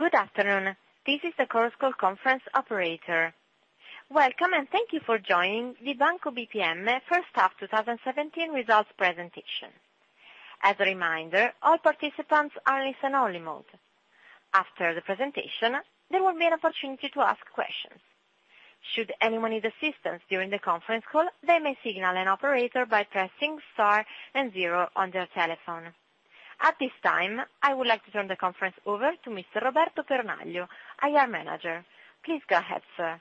Good afternoon. This is the Chorus Call conference operator. Welcome, thank you for joining the Banco BPM first half 2017 results presentation. As a reminder, all participants are in listen-only mode. After the presentation, there will be an opportunity to ask questions. Should anyone need assistance during the conference call, they may signal an operator by pressing Star and zero on their telephone. At this time, I would like to turn the conference over to Mr. Roberto Peronaglio, IR Manager. Please go ahead, sir.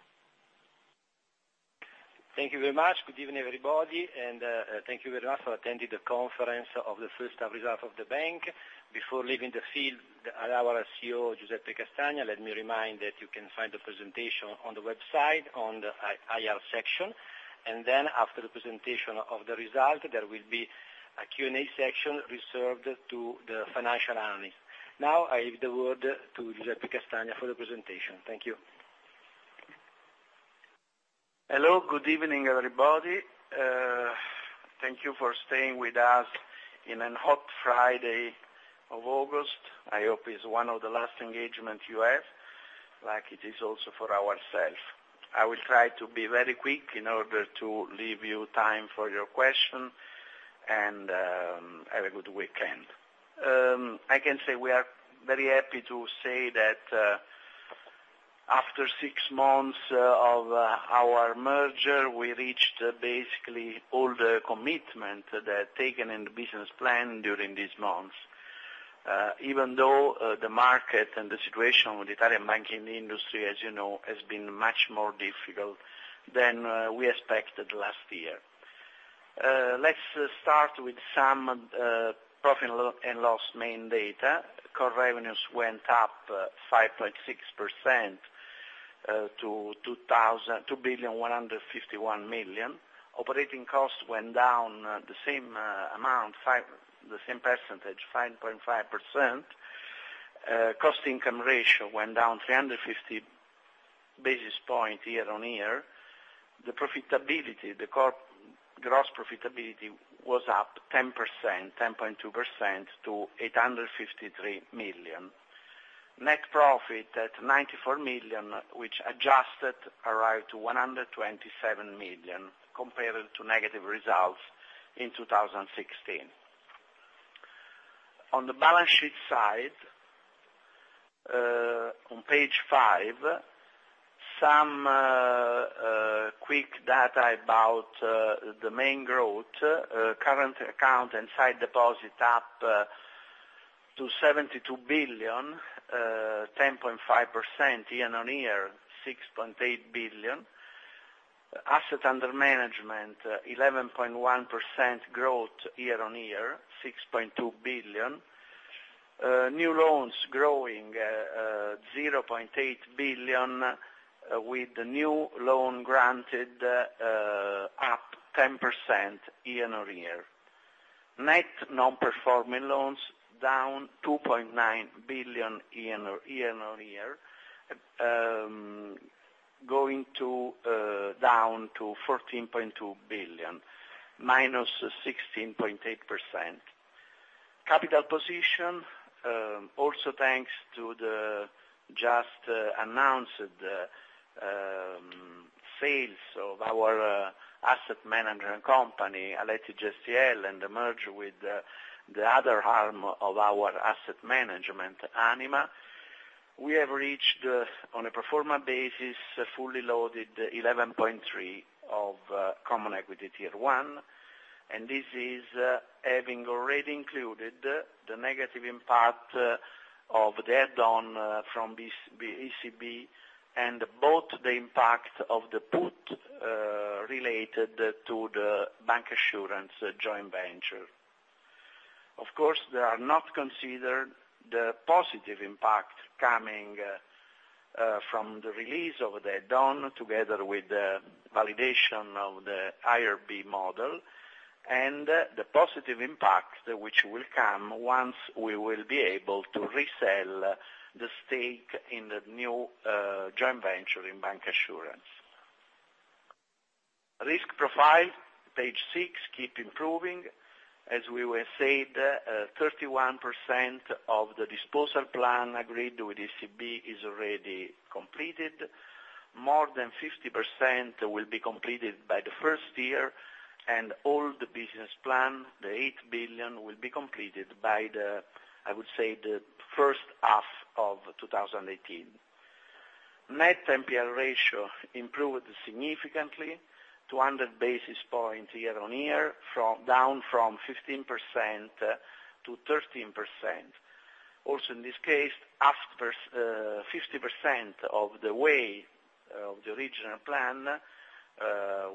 Thank you very much. Good evening, everybody, thank you very much for attending the conference of the first half results of the bank. Before leaving the field, our CEO, Giuseppe Castagna, let me remind that you can find the presentation on the website on the IR section. After the presentation of the result, there will be a Q&A section reserved to the financial analysts. Now I leave the word to Giuseppe Castagna for the presentation. Thank you. Hello. Good evening, everybody. Thank you for staying with us on a hot Friday of August. I hope it's one of the last engagements you have, like it is also for ourselves. I will try to be very quick in order to leave you time for your questions, have a good weekend. I can say we are very happy to say that after six months of our merger, we reached basically all the commitment taken in the business plan during these months. Even though the market and the situation with the Italian banking industry, as you know, has been much more difficult than we expected last year. Let's start with some profit and loss main data. Core revenues went up 5.6% to 2 billion, 151 million. Operating costs went down the same percentage, 5.5%. Cost income ratio went down 350 basis points year-on-year. The gross profitability was up 10.2% to 853 million. Net profit at 94 million, which adjusted arrived to 127 million compared to negative results in 2016. On the balance sheet side, on page five, some quick data about the main growth. Current account and side deposit up to 72 billion, 10.5% year-on-year, 6.8 billion. Asset under management, 11.1% growth year-on-year, 6.2 billion. New loans growing 0.8 billion with the new loan granted up 10% year-on-year. Net non-performing loans down 2.9 billion year-on-year, going down to 14.2 billion, minus 16.8%. Capital position, also thanks to the just announced sales of our asset management company, Aletti Gestielle SGR, and the merger with the other arm of our asset management, Anima. We have reached, on a pro forma basis, a fully loaded 11.3 of common equity tier one. This is having already included the negative impact of the add-on from ECB and both the impact of the put related to the bank assurance joint venture. They are not considered the positive impact coming from the release of the add-on together with the validation of the IRB model and the positive impact which will come once we will be able to resell the stake in the new joint venture in bank assurance. Risk profile, page six, keep improving. As we were saying, 31% of the disposal plan agreed with ECB is already completed. More than 50% will be completed by the first year, and all the business plan, the 8 billion, will be completed by the, I would say, first half of 2018. Net NPL ratio improved significantly, 200 basis points year-on-year, down from 15% to 13%. Also, in this case, 50% of the way of the original plan,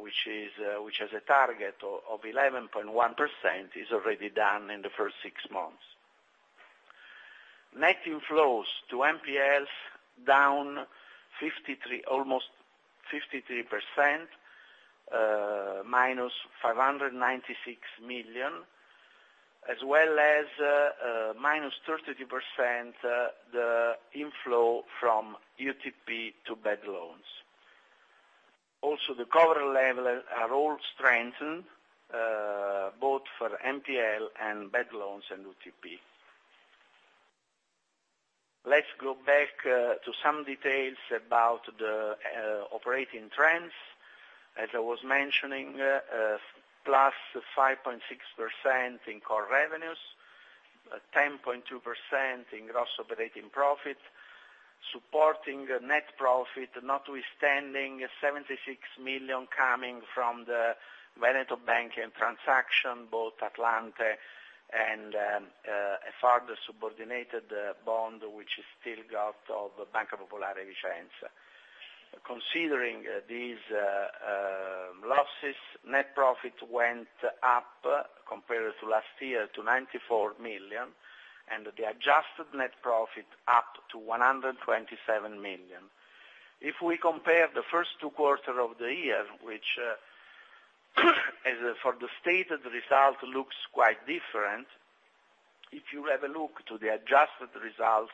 which has a target of 11.1%, is already done in the first six months. Net inflows to NPLs down almost 53%, -596 million, as well as -32% the inflow from UTP to bad loans. Also, the coverage levels are all strengthened, both for NPL and bad loans and UTP. Let's go back to some details about the operating trends. As I was mentioning, +5.6% in core revenues, 10.2% in gross operating profit, supporting net profit, notwithstanding 76 million coming from the Veneto Banca transaction, both Atlante and a further subordinated bond, which is still got of Banca Popolare di Firenze. Considering these losses, net profit went up compared to last year to 94 million. The adjusted net profit up to 127 million. If we compare the first two quarters of the year, which for the stated result looks quite different, if you have a look to the adjusted results,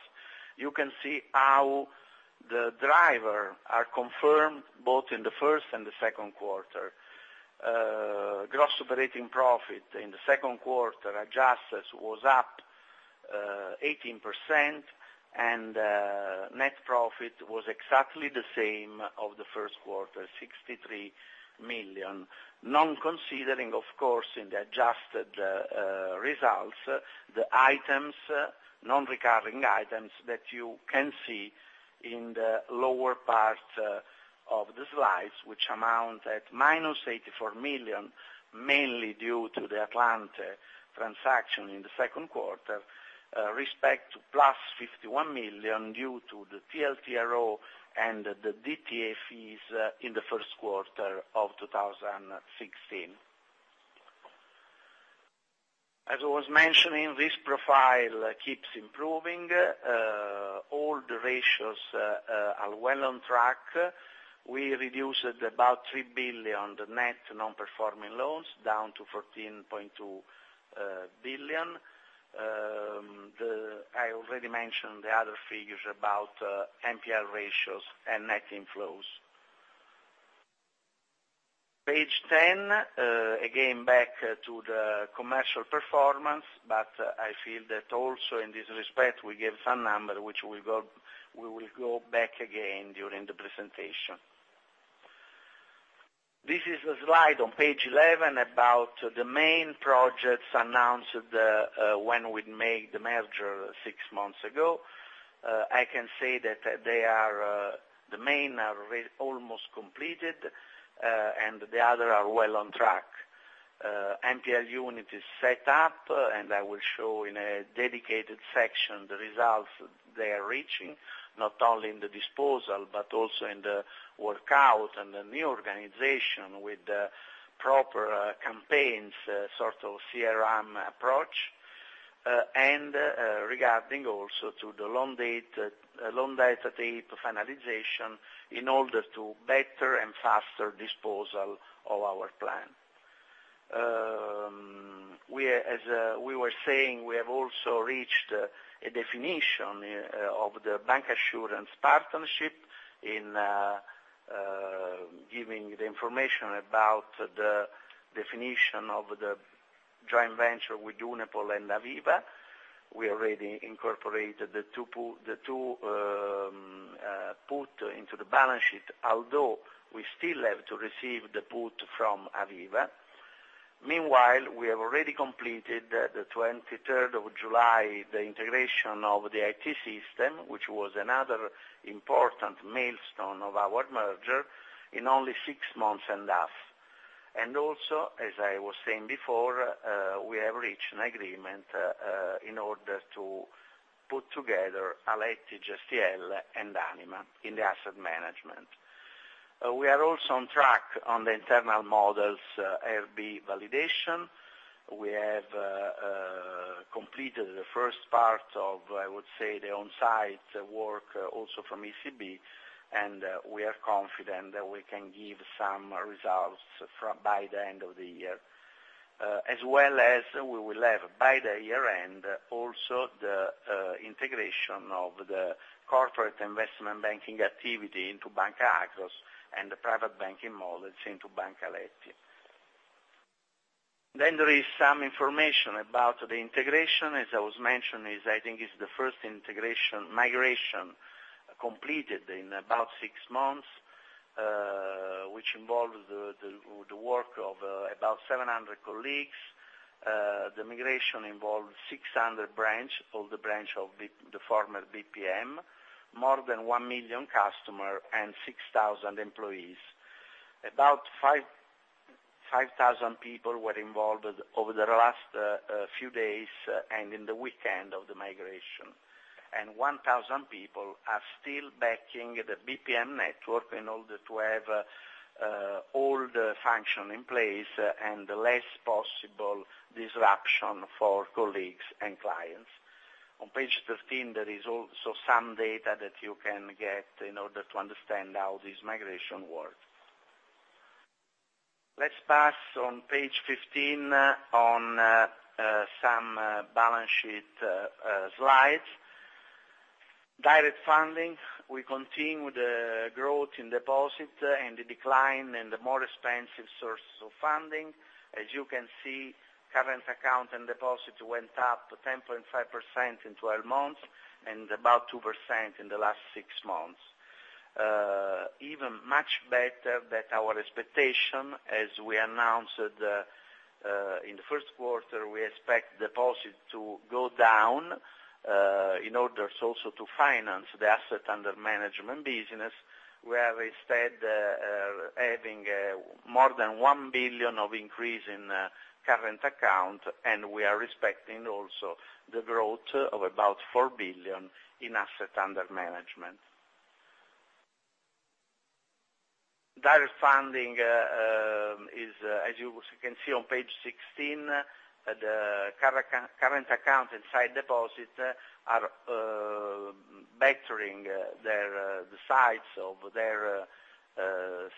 you can see how the driver are confirmed both in the first and the second quarter. Gross operating profit in the second quarter adjusted was up 18%. Net profit was exactly the same of the first quarter, 63 million. Not considering, of course, in the adjusted results, the non-recurring items that you can see in the lower part of the slides, which amount at -84 million, mainly due to the Atlante transaction in the second quarter, respect to +51 million due to the TLTRO and the DTA fees in the first quarter of 2016. As I was mentioning, this profile keeps improving. All the ratios are well on track. We reduced about 3 billion net non-performing loans, down to 14.2 billion. I already mentioned the other figures about NPL ratios and net inflows. Page 10, again, back to the commercial performance. I feel that also in this respect, we gave some numbers which we will go back again during the presentation. This is a slide on page 11 about the main projects announced when we made the merger six months ago. I can say that the main are almost completed. The other are well on track. NPL unit is set up. I will show in a dedicated section the results they are reaching, not only in the disposal but also in the workout and the new organization with the proper campaigns, sort of CRM approach, and regarding also to the loan data tape finalization in order to better and faster disposal of our plan. As we were saying, we have also reached a definition of the bancassurance partnership in giving the information about the definition of the joint venture with Unipol and Aviva. We already incorporated the two put into the balance sheet, although we still have to receive the put from Aviva. Meanwhile, we have already completed, the 23rd of July, the integration of the IT system, which was another important milestone of our merger in only six months and a half. Also, as I was saying before, we have reached an agreement in order to put together Aletti Gestielle SGR, and Anima in the asset management. We are also on track on the internal models IRB validation. We have completed the first part of, I would say, the on-site work also from ECB, and we are confident that we can give some results by the end of the year. As well as we will have, by the year-end, also the integration of the corporate investment banking activity into Banca Akros and the private banking models into Banca Aletti. Then there is some information about the integration. As I was mentioning, I think it's the first integration migration completed in about six months, which involved the work of about 700 colleagues. The migration involved 600 branch, all the branch of the former BPM, more than one million customer and 6,000 employees. About 5,000 people were involved over the last few days and in the weekend of the migration. 1,000 people are still backing the BPM network in order to have all the function in place and less possible disruption for colleagues and clients. On page 13, there is also some data that you can get in order to understand how this migration works. Let's pass on page 15 on some balance sheet slides. Direct funding, we continue the growth in deposit and the decline in the more expensive sources of funding. As you can see, current account and deposits went up to 10.5% in 12 months and about two percent in the last six months. Even much better than our expectation, as we announced in the first quarter, we expect deposit to go down in order also to finance the asset under management business, where we instead are having more than 1 billion of increase in current account, and we are respecting also the growth of about 4 billion in asset under management. Direct funding is, as you can see on page 16, the current account and time deposit are bettering the size of their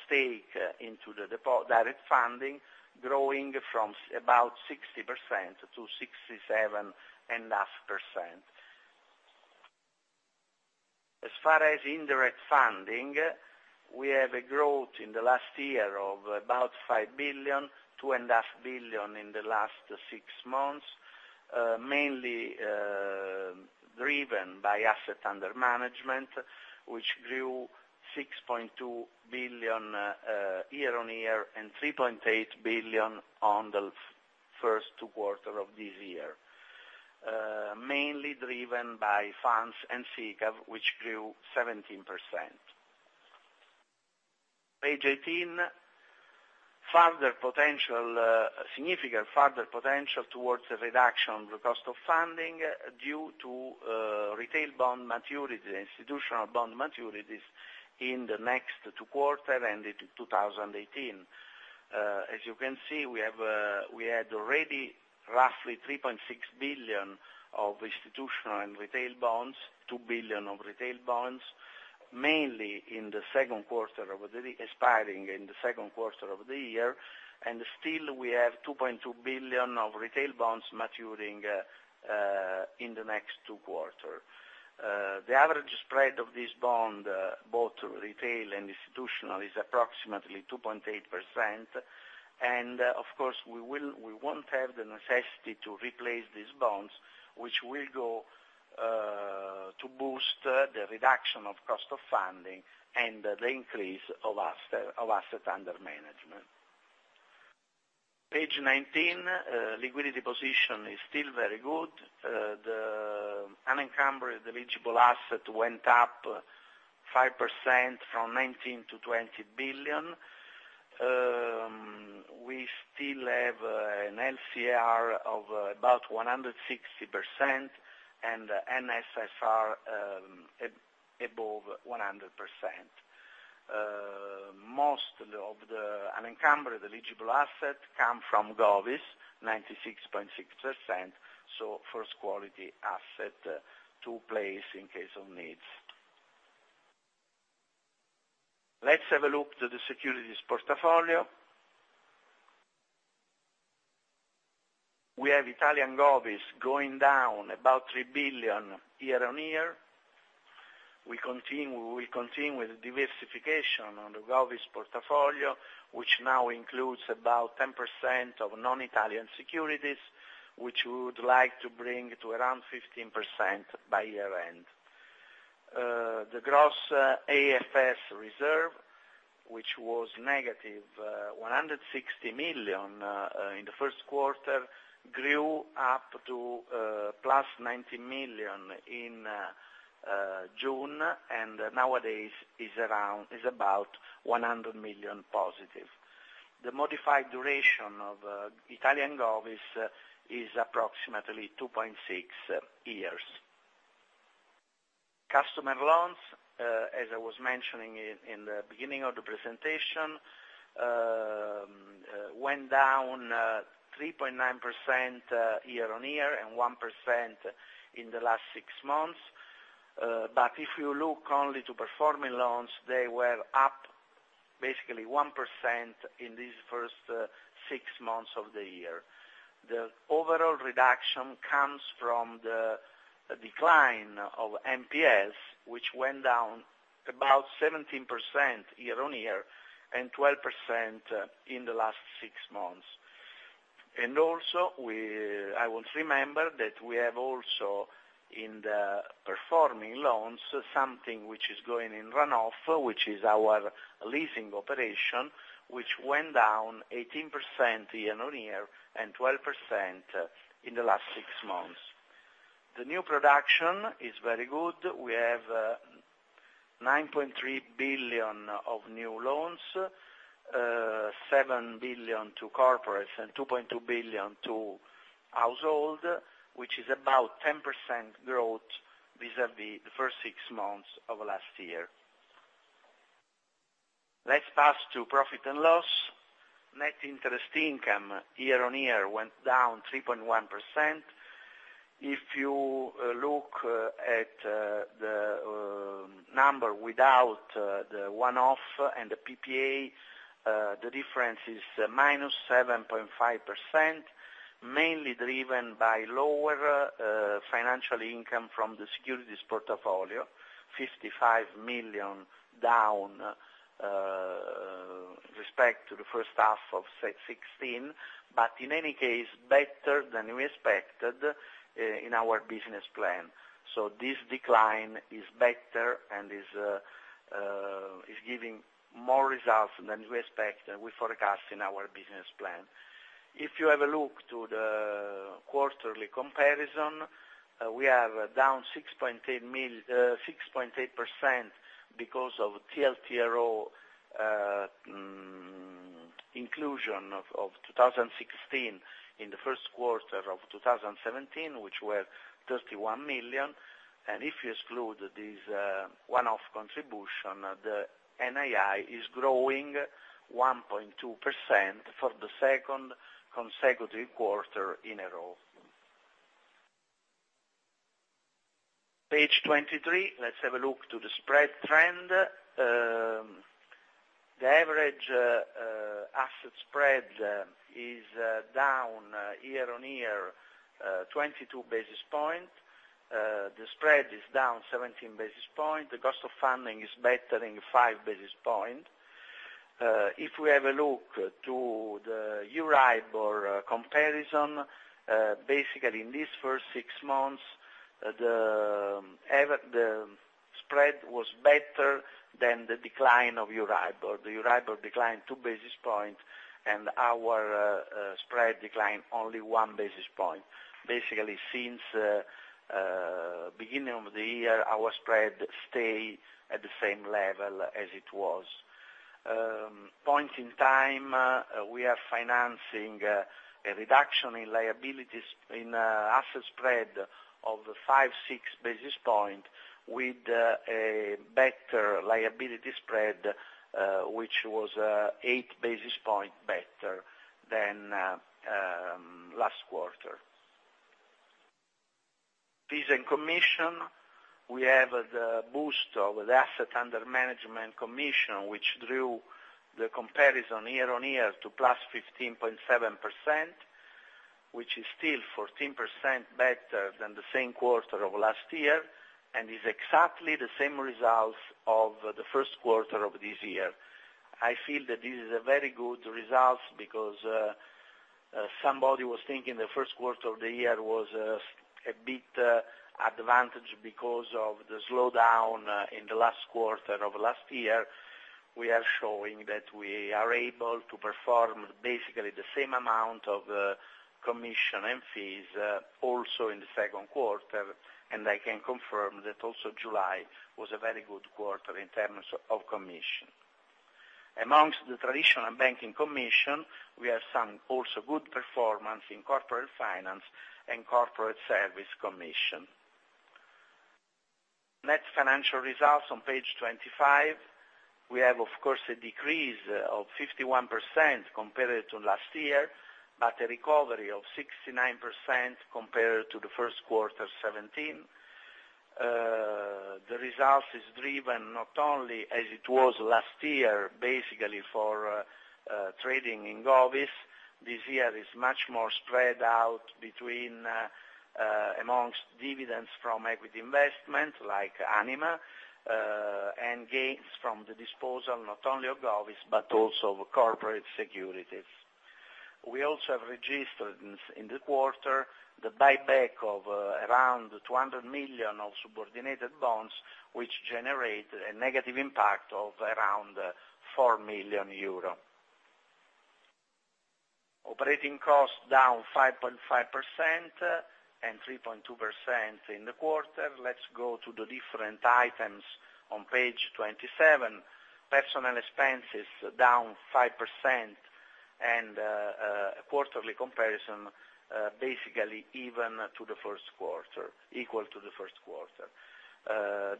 stake into the direct funding, growing from about 60%-67.5%. As far as indirect funding, we have a growth in the last year of about 5 billion, 2.5 billion in the last six months, mainly driven by asset under management, which grew 6.2 billion year-on-year and 3.8 billion on the first two quarter of this year. Mainly driven by funds and SICAV, which grew 17%. Page 18, significant further potential towards the reduction of the cost of funding due to retail bond maturity, institutional bond maturities in the next two quarter and into 2018. As you can see, we had already roughly 3.6 billion of institutional and retail bonds, 2 billion of retail bonds, mainly expiring in the second quarter of the year, and still we have 2.2 billion of retail bonds maturing in the next two quarter. The average spread of this bond, both retail and institutional, is approximately 2.8%, and of course, we won't have the necessity to replace these bonds, which will go to boost the reduction of cost of funding and the increase of asset under management. Page 19, liquidity position is still very good. The unencumbered eligible asset went up 5%, from 19 billion to 20 billion. We still have an LCR of about 160% and NSFR above 100%. Most of the unencumbered eligible asset come from GovBs, 96.6%, so first quality asset to place in case of needs. Let's have a look to the securities portfolio. We have Italian GovBs going down about 3 billion year-on-year. We will continue with the diversification on the GovBs portfolio, which now includes about 10% of non-Italian securities, which we would like to bring to around 15% by year-end. The gross AFS reserve, which was negative 160 million in the first quarter, grew up to plus 90 million in June, and nowadays is about 100 million positive. The modified duration of Italian GovBs is approximately 2.6 years. Customer loans, as I was mentioning in the beginning of the presentation, went down 3.9% year-on-year and 1% in the last six months. If you look only to performing loans, they were up basically 1% in this first six months of the year. The overall reduction comes from the decline of MPS, which went down about 17% year-on-year and 12% in the last six months. Also, I would remember that we have also in the performing loans, something which is going in run-off, which is our leasing operation, which went down 18% year-on-year and 12% in the last six months. The new production is very good. We have 9.3 billion of new loans, 7 billion to corporates and 2.2 billion to household, which is about 10% growth vis-à-vis the first six months of last year. Let's pass to profit and loss. Net interest income year-on-year went down 3.1%. If you look at the number without the one-off and the PPA, the difference is -7.5%, mainly driven by lower financial income from the securities portfolio, 55 million down with respect to the first half of 2016, but in any case, better than we expected in our business plan. This decline is better and is giving more results than we forecast in our business plan. You have a look to the quarterly comparison, we are down 6.8% because of TLTRO inclusion of 2016 in the first quarter of 2017, which were 31 million. If you exclude this one-off contribution, the NII is growing 1.2% for the second consecutive quarter in a row. Page 23, let's have a look to the spread trend. The average asset spread is down year-on-year 22 basis point. The spread is down 17 basis point. The cost of funding is bettering five basis points. If we have a look to the Euribor comparison, in this first six months, the spread was better than the decline of Euribor. The Euribor declined two basis points and our spread declined only one basis point. Since beginning of the year, our spread stayed at the same level as it was. At this point in time, we are financing a reduction in asset spread of five, six basis points with a better liability spread, which was eight basis points better than last quarter. Fees and commission, we have the boost of asset under management commission, which drove the comparison year-on-year to +15.7%, which is still 14% better than the same quarter of last year, and is exactly the same results of the first quarter of this year. I feel that this is a very good result because somebody was thinking the first quarter of the year was a bit advantaged because of the slowdown in the last quarter of last year. We are showing that we are able to perform the same amount of commission and fees also in the second quarter, and I can confirm that also July was a very good quarter in terms of commission. Amongst the traditional banking commission, we have some also good performance in corporate finance and corporate service commission. Net financial results on page 25. We have, of course, a decrease of 51% compared to last year, but a recovery of 69% compared to the first quarter of 2017. The result is driven not only as it was last year, for trading in GovBs. This year is much more spread out amongst dividends from equity investment like Anima, and gains from the disposal not only of GovBs but also of corporate securities. We also have registered in the quarter the buyback of around 200 million of subordinated bonds, which generated a negative impact of around 4 million euro. Operating costs down 5.5% and 3.2% in the quarter. Let's go to the different items on page 27. Personnel expenses down 5% and quarterly comparison, equal to the first quarter.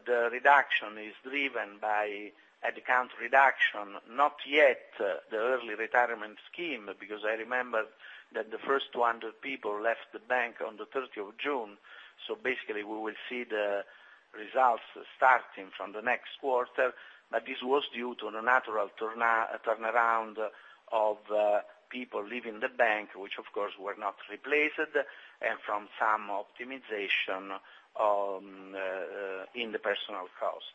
The reduction is driven by headcount reduction, not yet the early retirement scheme, because I remember that the first 200 people left the bank on the 30th of June, so we will see the results starting from the next quarter. This was due to a natural turnaround of people leaving the bank, which of course, were not replaced, and from some optimization in the personal cost.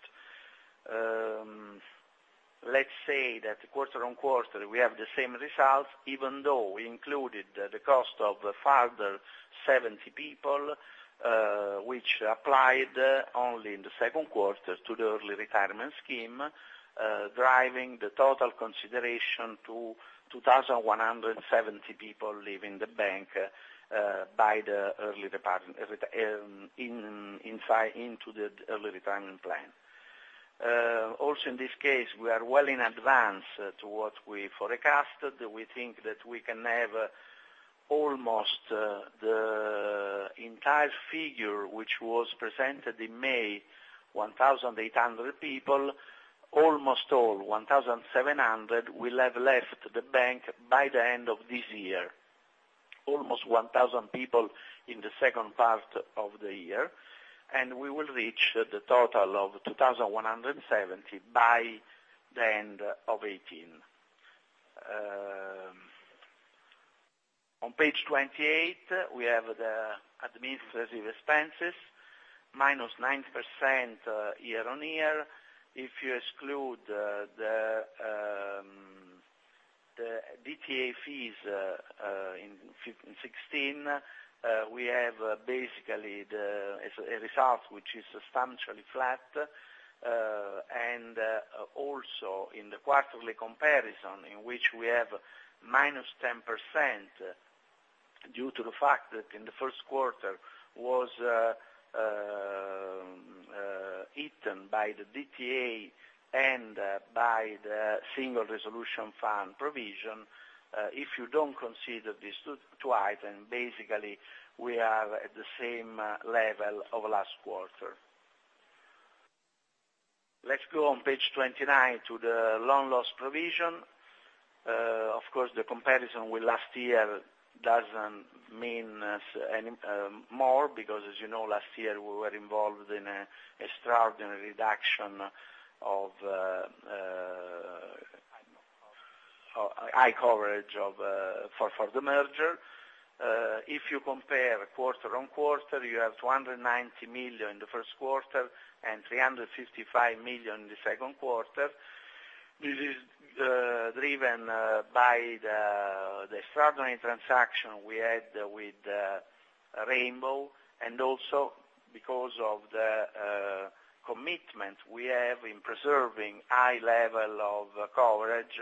Let's say that quarter-on-quarter, we have the same results, even though we included the cost of a further 70 people, which applied only in the second quarter to the early retirement scheme, driving the total consideration to 2,170 people leaving the bank into the early retirement plan. Also in this case, we are well in advance to what we forecasted. We think that we can have almost the entire figure, which was presented in May, 1,800 people. Almost all 1,700 will have left the bank by the end of this year, almost 1,000 people in the second part of the year, and we will reach the total of 2,170 by the end of 2018. On page 28, we have the administrative expenses, -9% year-on-year. If you exclude the DTA fees in 2016, we have basically the result, which is substantially flat. Also in the quarterly comparison, in which we have -10% due to the fact that in the first quarter was eaten by the DTA and by the Single Resolution Fund provision. If you don't consider these two items, basically, we are at the same level of last quarter. Let's go on page 29 to the loan loss provision. Of course, the comparison with last year doesn't mean more because as you know, last year, we were involved in an extraordinary reduction of high coverage for the merger. If you compare quarter-on-quarter, you have 290 million the first quarter and 355 million the second quarter. This is driven by the extraordinary transaction we had with Rainbow, also because of the commitment we have in preserving high level of coverage,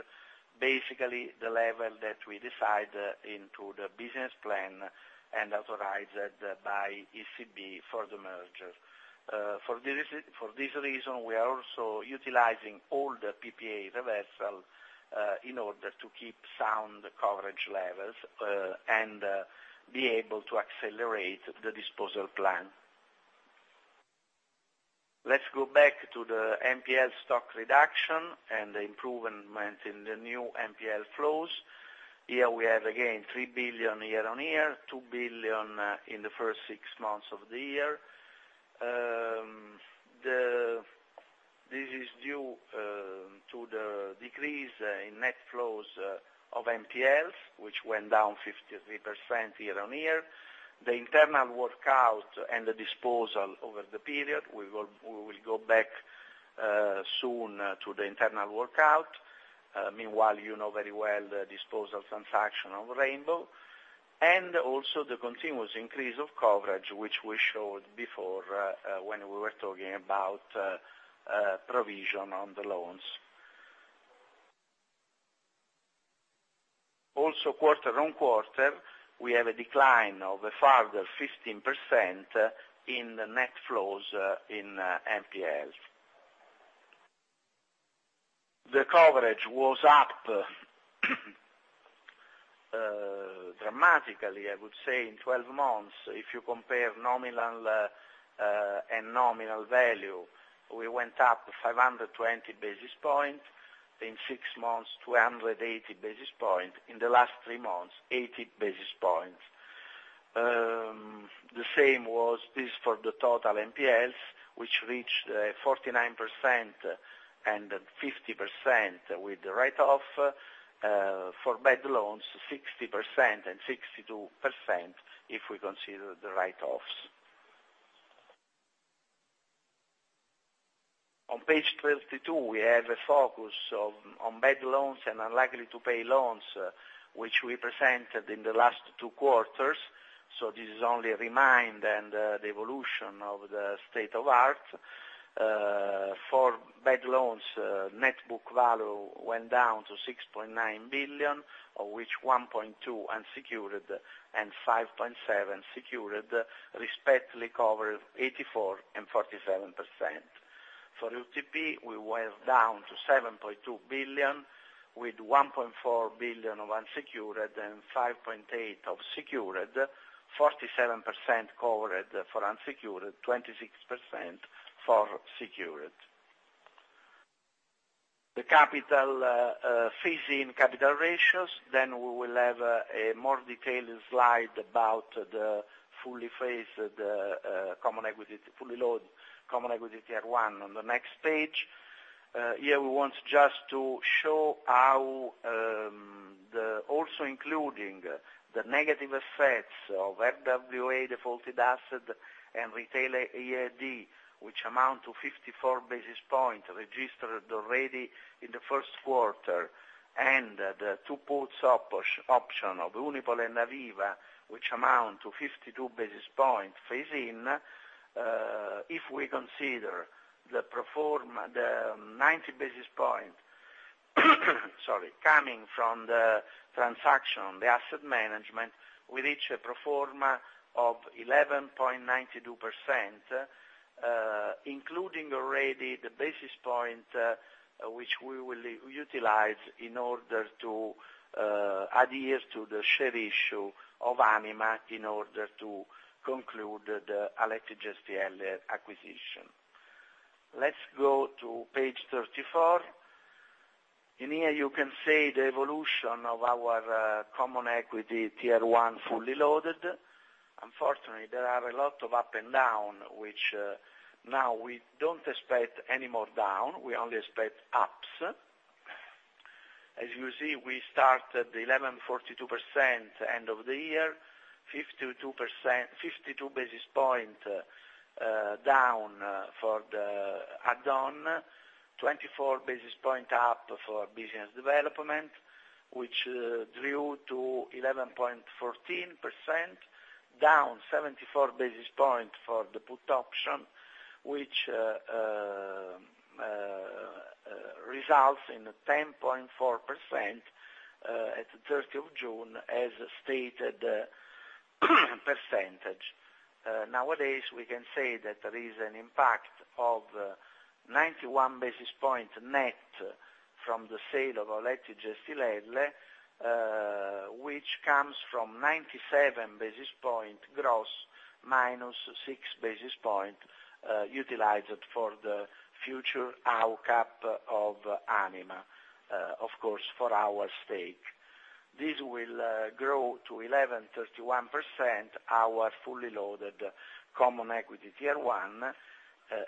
basically, the level that we decide into the business plan and authorized by ECB for the merger. For this reason, we are also utilizing all the PPA reversal in order to keep sound coverage levels and be able to accelerate the disposal plan. Let's go back to the NPL stock reduction and the improvement in the new NPL flows. Here we have again 3 billion year-on-year, 2 billion in the first six months of the year. This is due to the decrease in net flows of NPLs, which went down 53% year-on-year. The internal workout and the disposal over the period, we will go back soon to the internal workout. Meanwhile, you know very well the disposal transaction of Rainbow, also the continuous increase of coverage, which we showed before, when we were talking about provision on the loans. Also quarter-on-quarter, we have a decline of a further 15% in the net flows in NPLs. The coverage was up dramatically, I would say, in 12 months. If you compare nominal and nominal value, we went up 520 basis points. In six months, 280 basis points. In the last three months, 80 basis points. The same was this for the total NPLs, which reached 49% and 50% with the write-off. For bad loans, 60% and 62%, if we consider the write-offs. On page 32, we have a focus on bad loans and unlikely-to-pay loans, which we presented in the last two quarters. This is only a remind and the evolution of the state of art. For bad loans, net book value went down to 6.9 billion, of which 1.2 unsecured and 5.7 secured, respectively covered 84% and 47%. For UTP, we were down to 7.2 billion, with 1.4 billion of unsecured and 5.8 of secured, 47% covered for unsecured, 26% for secured. The phase-in capital ratios. We will have a more detailed slide about the fully loaded common equity tier one on the next page. Here we want just to show how also including the negative effects of RWA defaulted asset and retail EAD, which amount to 54 basis points registered already in the first quarter, and the two puts option of Unipol and Aviva, which amount to 52 basis points phase-in. If we consider the 90 basis points coming from the transaction on the asset management, we reach a pro forma of 11.92%, including already the basis points which we will utilize in order to adhere to the share issue of Anima in order to conclude the Aletti Gestielle acquisition. Let's go to page 34. In here, you can see the evolution of our common equity Tier 1 fully loaded. Unfortunately, there are a lot of up and down, which now we don't expect any more down. We only expect ups. As you see, we start at 11.42% end of the year, 52 basis points down for the add-on, 24 basis points up for business development, which drew to 11.14%, down 74 basis points for the put option, which results in 10.4% at the 30th of June as stated percentage. Nowadays, we can say that there is an impact of 91 basis points net from the sale of our Aletti Gestielle, which comes from 97 basis points gross minus 6 basis points utilized for the future outcap of Anima. Of course, for our stake. This will grow to 11.31% our fully loaded common equity Tier 1.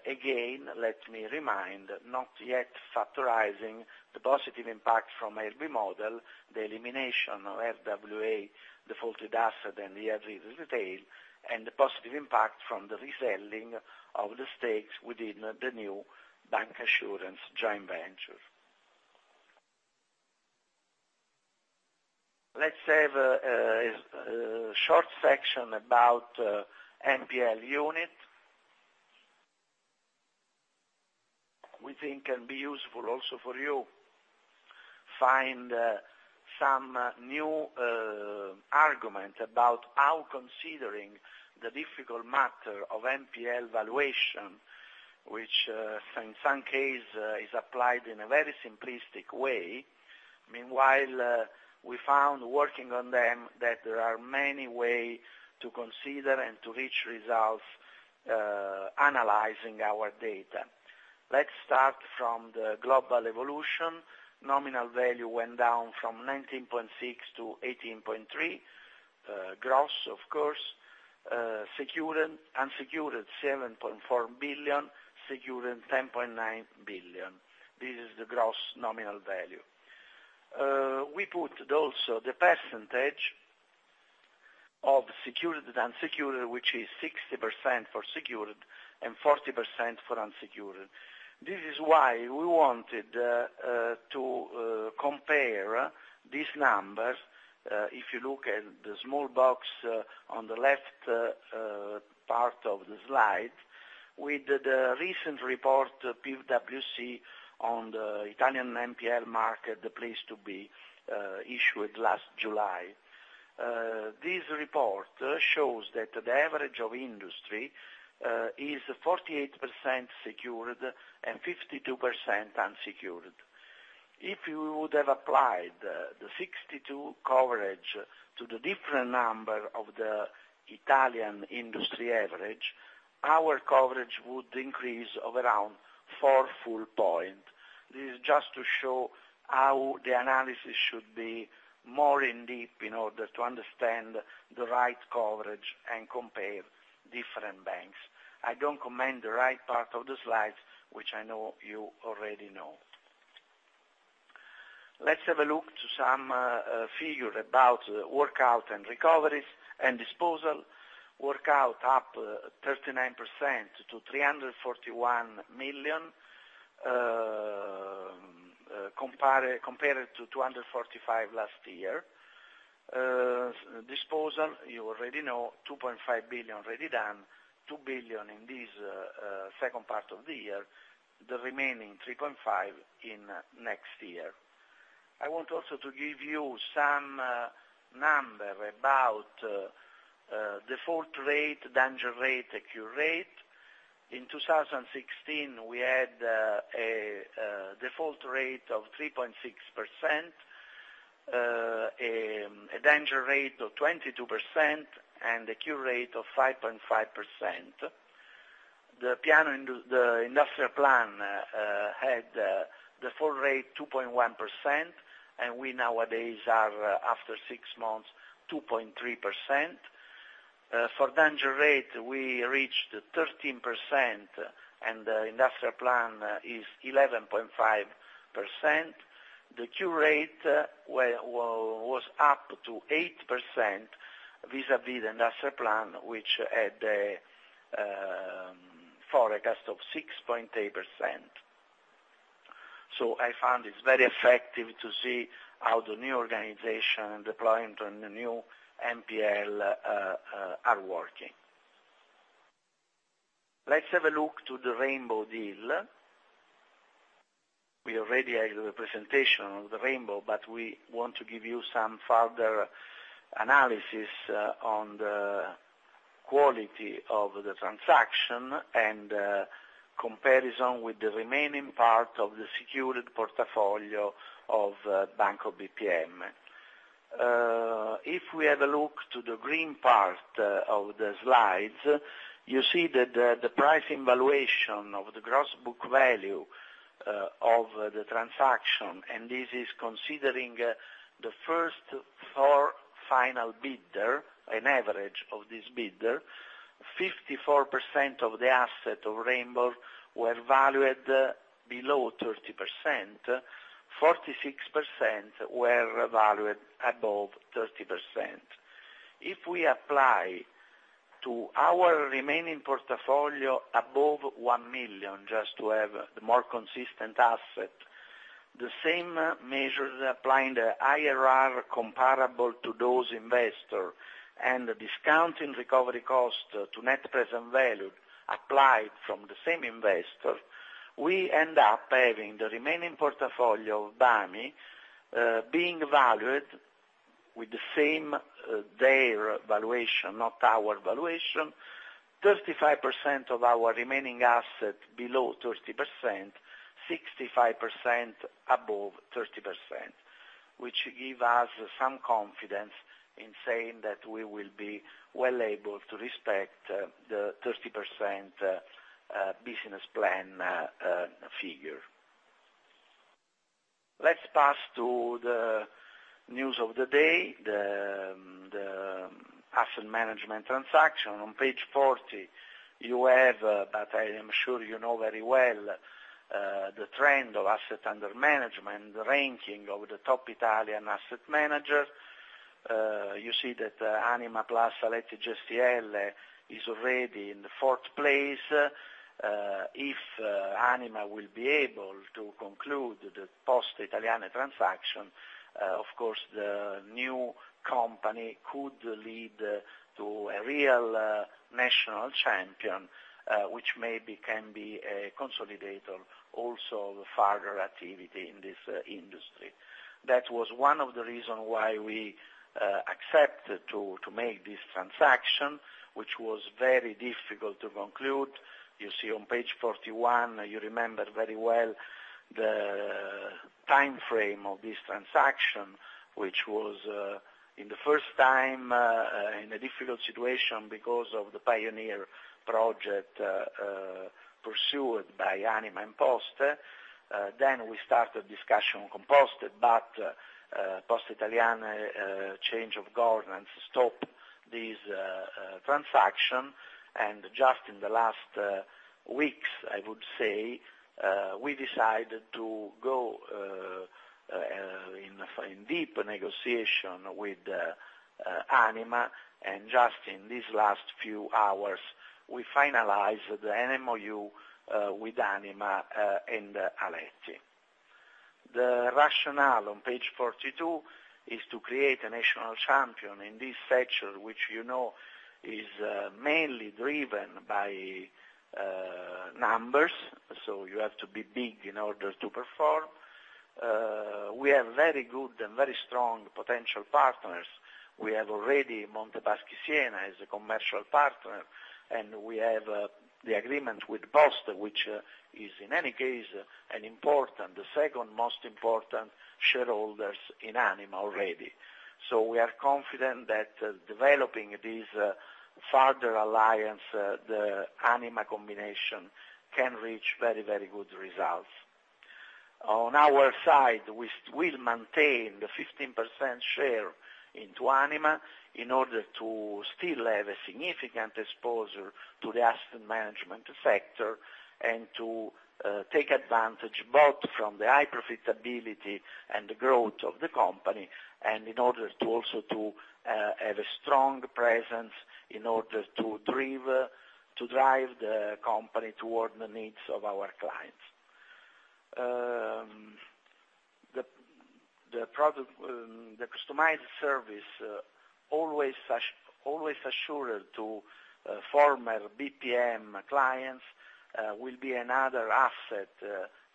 Again, let me remind, not yet factorizing the positive impact from IRB model, the elimination of RWA defaulted assets and the retail, and the positive impact from the reselling of the stakes within the new bank assurance joint venture. Let's have a short section about NPL unit. We think can be useful also for you. Find some new argument about how considering the difficult matter of NPL valuation, which in some case is applied in a very simplistic way. Meanwhile, we found working on them that there are many ways to consider and to reach results analyzing our data. Let's start from the global evolution. Nominal value went down from 19.6 billion to 18.3 billion, gross, of course. Unsecured 7.4 billion, secured 10.9 billion. This is the gross nominal value. We put also the percentage of secured and unsecured, which is 60% for secured and 40% for unsecured. This is why we wanted to compare these numbers, if you look at the small box on the left part of the slide, with the recent report PwC on the Italian NPL market, the place to be issued last July. This report shows that the average of industry is 48% secured and 52% unsecured. If you would have applied the 62% coverage to the different number of the Italian industry average, our coverage would increase of around four full points. This is just to show how the analysis should be more in-depth in order to understand the right coverage and compare different banks. I don't comment the right part of the slide, which I know you already know. Let's have a look to some figure about workout and recoveries and disposal. Workout up 39% to 341 million, compared to 245 million last year. Disposal, you already know, 2.5 billion already done, 2 billion in this second part of the year, the remaining 3.5 billion in next year. I want also to give you some number about default rate, danger rate, cure rate. In 2016, we had a default rate of 3.6%, a danger rate of 22%, and a cure rate of 5.5%. The industrial plan had default rate 2.1%, and we nowadays are, after six months, 2.3%. For danger rate, we reached 13%, and the industrial plan is 11.5%. The cure rate was up to 8% vis-à-vis the industrial plan, which had a forecast of 6.8%. I find it's very effective to see how the new organization deployment on the new NPLs are working. Let's have a look to the Rainbow deal. We already have the presentation of the Rainbow, but we want to give you some further analysis on the quality of the transaction and comparison with the remaining part of the secured portfolio of Banco BPM. If we have a look to the green part of the slides, you see that the pricing valuation of the gross book value of the transaction, and this is considering the first four final bidder, an average of this bidder, 54% of the asset of Rainbow were valued below 30%, 46% were valued above 30%. If we apply to our remaining portfolio above one million, just to have the more consistent asset, the same measures applying the IRR comparable to those investor, and the discount in recovery cost to net present value applied from the same investor, we end up having the remaining portfolio of BAMI being valued with the same, their valuation, not our valuation, 35% of our remaining asset below 30%, 65% above 30%, which give us some confidence in saying that we will be well able to respect the 30% business plan figure. Let's pass to the news of the day, the asset management transaction. On Page 40, you have, but I am sure you know very well, the trend of asset under management, the ranking of the top Italian asset manager. You see that Anima plus Aletti Gestielle is already in the fourth place. If Anima will be able to conclude the Poste Italiane transaction, of course, the new company could lead to a real national champion, which maybe can be a consolidator also of further activity in this industry. That was one of the reason why we accepted to make this transaction, which was very difficult to conclude. You see on Page 41, you remember very well the timeframe of this transaction, which was in the first time, in a difficult situation because of the Pioneer project pursued by Anima and Poste. Then we started discussion with Poste, but Poste Italiane change of governance stopped this transaction, and just in the last weeks, I would say, we decided to go in deep negotiation with Anima, and just in these last few hours, we finalized the MoU with Anima and Aletti. The rationale on Page 42 is to create a national champion in this sector, which you know is mainly driven by numbers, you have to be big in order to perform. We have very good and very strong potential partners. We have already Monte Paschi Siena as a commercial partner, and we have the agreement with Poste, which is, in any case, the second most important shareholders in Anima already. We are confident that developing this further alliance, the Anima combination can reach very good results. On our side, we will maintain the 15% share into Anima in order to still have a significant exposure to the asset management sector and to take advantage both from the high profitability and the growth of the company, and in order also to have a strong presence, in order to drive the company toward the needs of our clients. The customized service always assured to former BPM clients will be another asset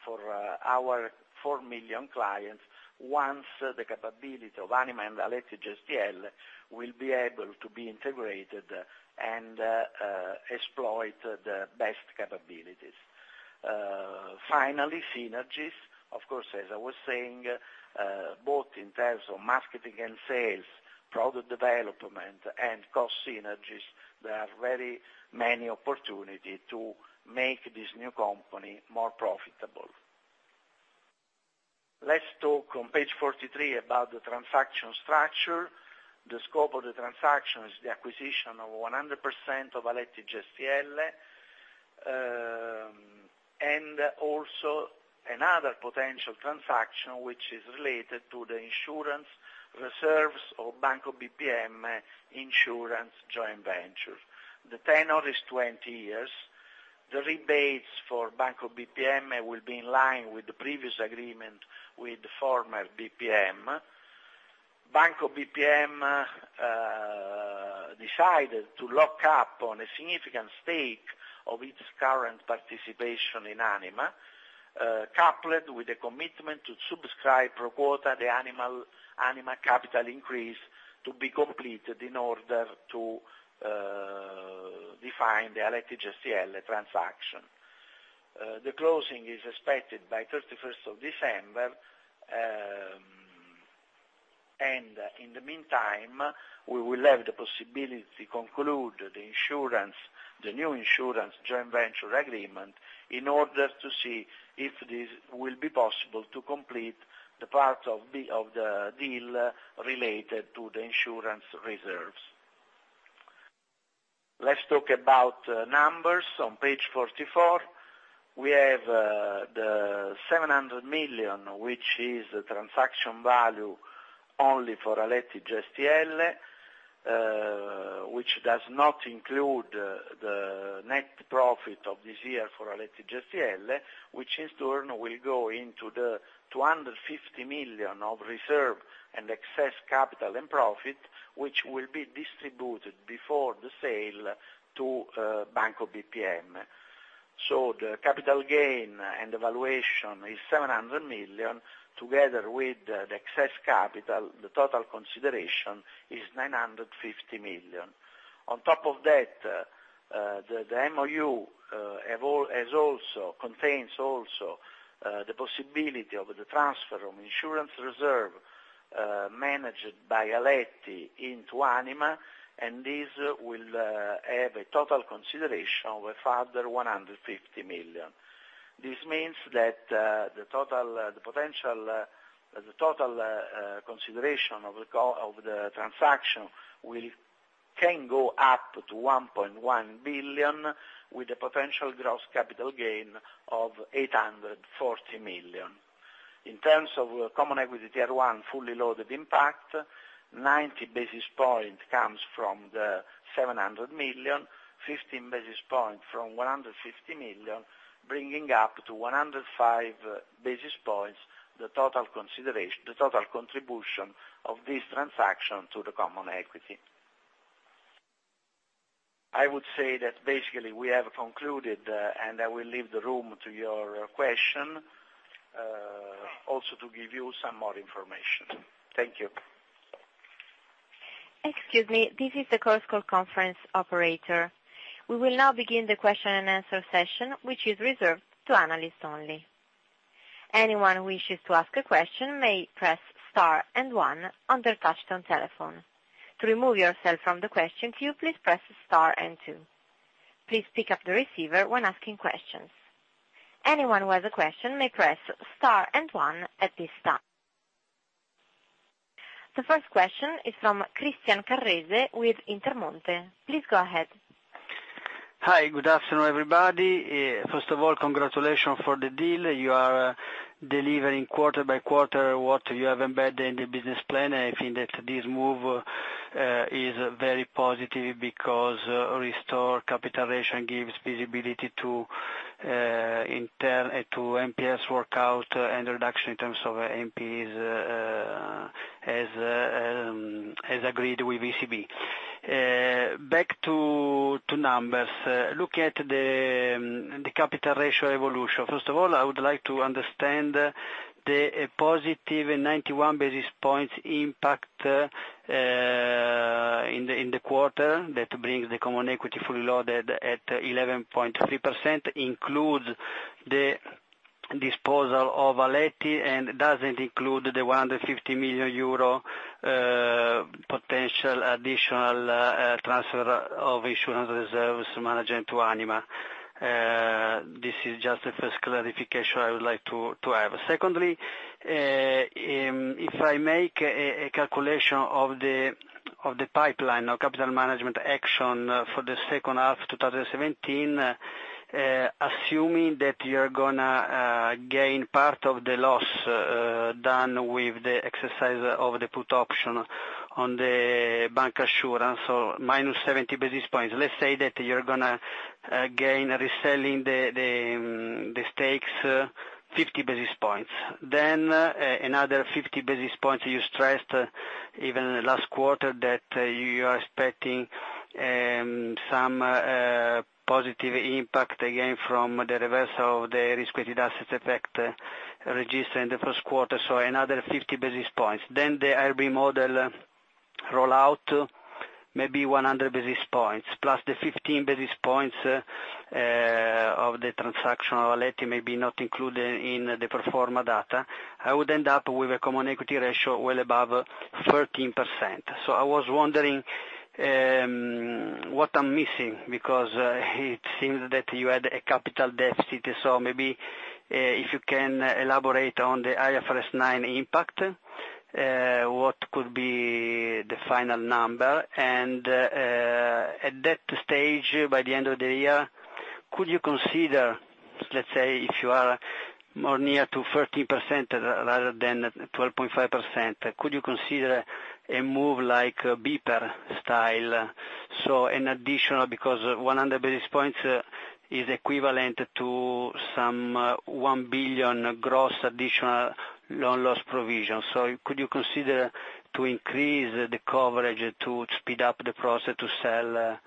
for our 4 million clients once the capability of Anima and Aletti Gestielle will be able to be integrated and exploit the best capabilities. Finally, synergies. Of course, as I was saying, both in terms of marketing and sales, product development, and cost synergies, there are very many opportunity to make this new company more profitable. Let's talk on page 43 about the transaction structure. The scope of the transaction is the acquisition of 100% of Aletti Gestielle, and also another potential transaction, which is related to the insurance reserves of Banco BPM Insurance joint venture. The tenor is 20 years. The rebates for Banco BPM will be in line with the previous agreement with former BPM. Banco BPM decided to lock up on a significant stake of its current participation in Anima, coupled with a commitment to subscribe pro quota the Anima capital increase to be completed in order to define the Aletti Gestielle transaction. The closing is expected by 31st of December, and in the meantime, we will have the possibility to conclude the new insurance joint venture agreement in order to see if this will be possible to complete the part of the deal related to the insurance reserves. Let's talk about numbers. On page 44, we have the 700 million, which is the transaction value only for Aletti Gestielle, which does not include the net profit of this year for Aletti Gestielle, which in turn will go into the 250 million of reserve and excess capital and profit, which will be distributed before the sale to Banco BPM. The capital gain and the valuation is 700 million. Together with the excess capital, the total consideration is 950 million. On top of that, the MoU contains also the possibility of the transfer of insurance reserve managed by Aletti into Anima, and this will have a total consideration of a further 150 million. This means that the total consideration of the transaction can go up to 1.1 billion with a potential gross capital gain of 840 million. In terms of common equity tier one fully loaded impact, 90 basis point comes from the 700 million, 15 basis point from 150 million, bringing up to 105 basis points the total contribution of this transaction to the common equity. I would say that basically we have concluded, and I will leave the room to your question, also to give you some more information. Thank you. Excuse me. This is the Chorus Call operator. We will now begin the question and answer session, which is reserved to analysts only. Anyone who wishes to ask a question may press star and one on their touch-tone telephone. To remove yourself from the question queue, please press star and two. Please pick up the receiver when asking questions. Anyone who has a question may press star and one at this time. The first question is from Christian Carrese with Intermonte. Please go ahead. Hi. Good afternoon, everybody. First of all, congratulations for the deal. You are delivering quarter by quarter what you have embedded in the business plan. I think that this move is very positive because restore capitalization gives visibility to NPLs workout and reduction in terms of NPLs as agreed with ECB. Back to numbers. Looking at the capital ratio evolution, first of all, I would like to understand the positive 91 basis points impact in the quarter that brings the common equity fully loaded at 11.3%, includes the disposal of Aletti, and doesn't include the 150 million euro potential additional transfer of insurance reserves managed to Anima. This is just the first clarification I would like to have. If I make a calculation of the pipeline of capital management action for the second half of 2017, assuming that you're going to gain part of the loss done with the exercise of the put option on the bank assurance, so minus 70 basis points. Let's say that you're going to gain reselling the stakes 50 basis points. Another 50 basis points you stressed even last quarter that you are expecting some positive impact again from the reversal of the risk-weighted assets effect registered in the first quarter, so another 50 basis points. The IRB model rollout, maybe 100 basis points, plus the 15 basis points of the transaction of Aletti may be not included in the pro forma data. I would end up with a common equity ratio well above 13%. I was wondering what I'm missing, because it seems that you had a capital deficit. Maybe if you can elaborate on the IFRS 9 impact, what could be the final number? At that stage, by the end of the year, could you consider, let's say, if you are more near to 13% rather than 12.5%, could you consider a move like BPER style? In additional, because 100 basis points is equivalent to some 1 billion gross additional non-loss provision. Could you consider to increase the coverage to speed up the process to sell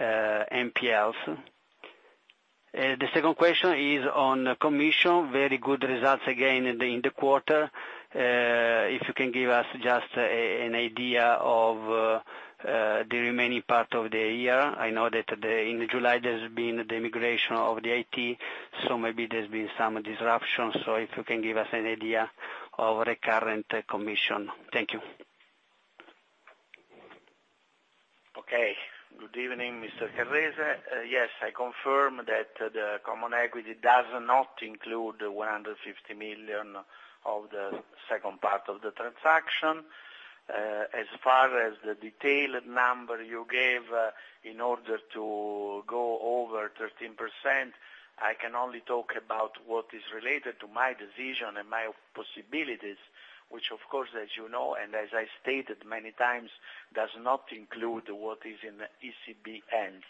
NPLs? The second question is on commission. Very good results again in the quarter. If you can give us just an idea of the remaining part of the year. I know that in July there's been the migration of the IT, so maybe there's been some disruption. If you can give us an idea of the current commission. Thank you. Okay. Good evening, Mr. Carrese. Yes, I confirm that the common equity does not include 150 million of the second part of the transaction. As far as the detailed number you gave in order to go over 13%, I can only talk about what is related to my decision and my possibilities, which of course, as you know, and as I stated many times, does not include what is in ECB hands.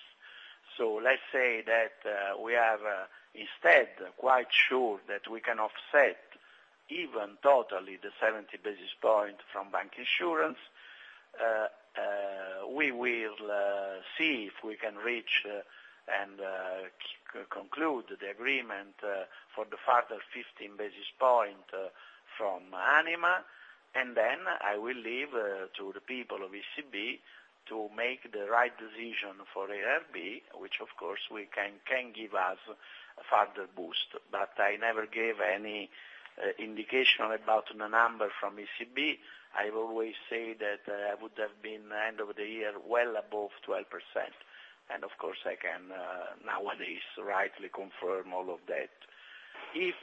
Let's say that we are instead quite sure that we can offset even totally the 70 basis point from bank insurance. We will see if we can reach and conclude the agreement for the further 15 basis point from Anima, I will leave to the people of ECB to make the right decision for ARB, which of course can give us a further boost. I never gave any indication about the number from ECB. I've always say that I would have been end of the year well above 12%, of course, I can nowadays rightly confirm all of that. If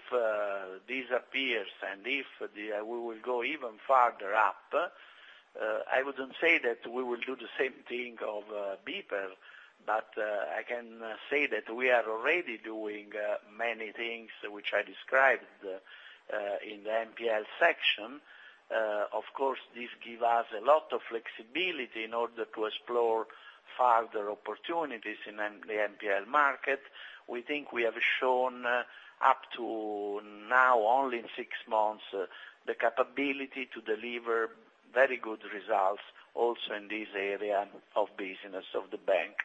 this appears and if we will go even farther up, I wouldn't say that we will do the same thing of BPER, I can say that we are already doing many things which I described in the NPL section. Of course, this give us a lot of flexibility in order to explore further opportunities in the NPL market. We think we have shown up to now, only in six months, the capability to deliver very good results also in this area of business of the bank.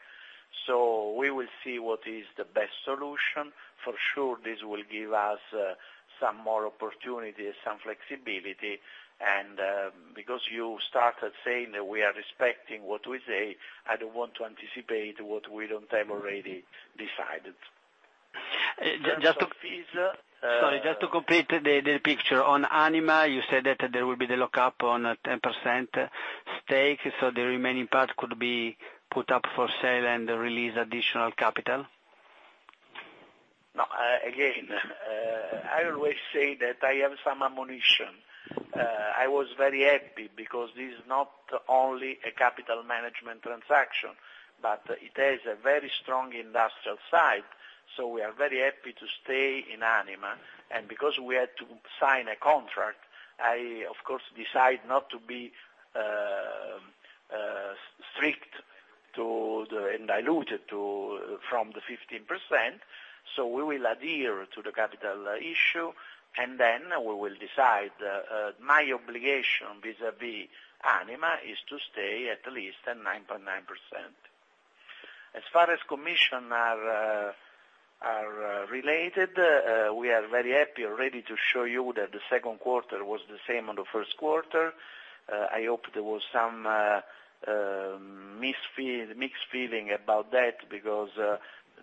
We will see what is the best solution. For sure, this will give us some more opportunities, some flexibility, because you started saying that we are respecting what we say, I don't want to anticipate what we don't have already decided. Sorry, just to complete the picture. On Anima, you said that there will be the lockup on 10% stake, the remaining part could be put up for sale and release additional capital? No. Again, I always say that I have some ammunition. I was very happy because this is not only a capital management transaction, but it has a very strong industrial side. We are very happy to stay in Anima, and because we had to sign a contract, I of course decide not to be strict and diluted from the 15%. We will adhere to the capital issue, and then we will decide. My obligation vis-à-vis Anima is to stay at least at 9.9%. As far as commissions are related, we are very happy already to show you that the second quarter was the same on the first quarter. I hope there was some mixed feeling about that because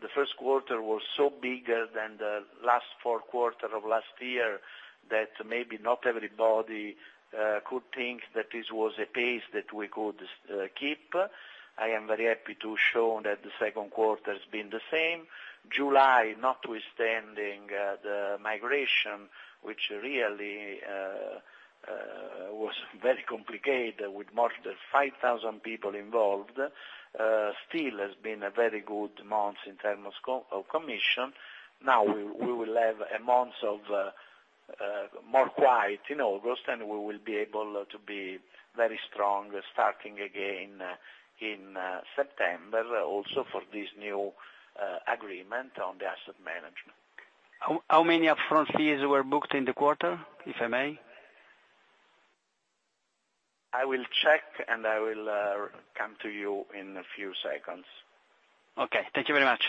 the first quarter was so bigger than the last four quarters of last year that maybe not everybody could think that this was a pace that we could keep. I am very happy to show that the second quarter's been the same. July, notwithstanding the migration, which really was very complicated, with more than 5,000 people involved, still has been a very good month in terms of commissions. We will have a month of more quiet in August, and we will be able to be very strong starting again in September, also for this new agreement on the asset management. How many upfront fees were booked in the quarter, if I may? I will check, and I will come to you in a few seconds. Okay. Thank you very much.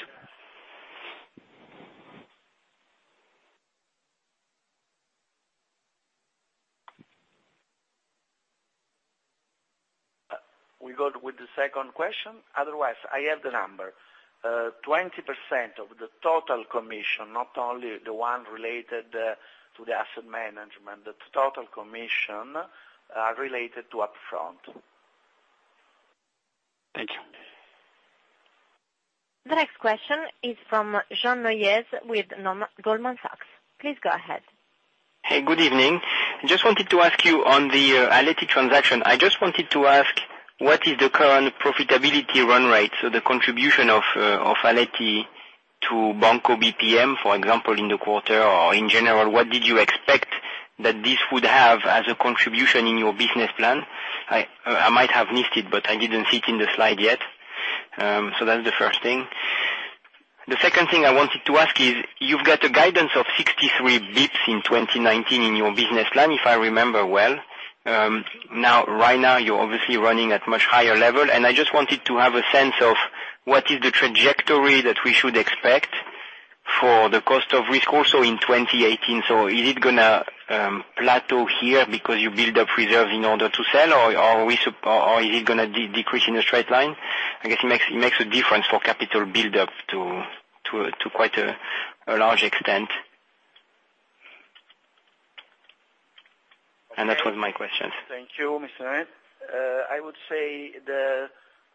We go with the second question. Otherwise, I have the number. 20% of the total commission, not only the one related to the asset management, the total commission are related to upfront. Thank you. The next question is from Jean Neuez with Goldman Sachs. Please go ahead. Hey, good evening. Just wanted to ask you on the Aletti transaction. I just wanted to ask, what is the current profitability run rate, so the contribution of Aletti to Banco BPM, for example, in the quarter or in general, what did you expect that this would have as a contribution in your business plan? I might have missed it, but I didn't see it in the slide yet. That's the first thing. The second thing I wanted to ask is, you've got a guidance of 63 bps in 2019 in your business plan, if I remember well. Right now, you're obviously running at much higher level, I just wanted to have a sense of what is the trajectory that we should expect For the cost of risk also in 2018, is it going to plateau here because you build up reserves in order to sell, or is it going to decrease in a straight line? I guess it makes a difference for capital build up to quite a large extent. That was my questions. Thank you, Mr. I would say the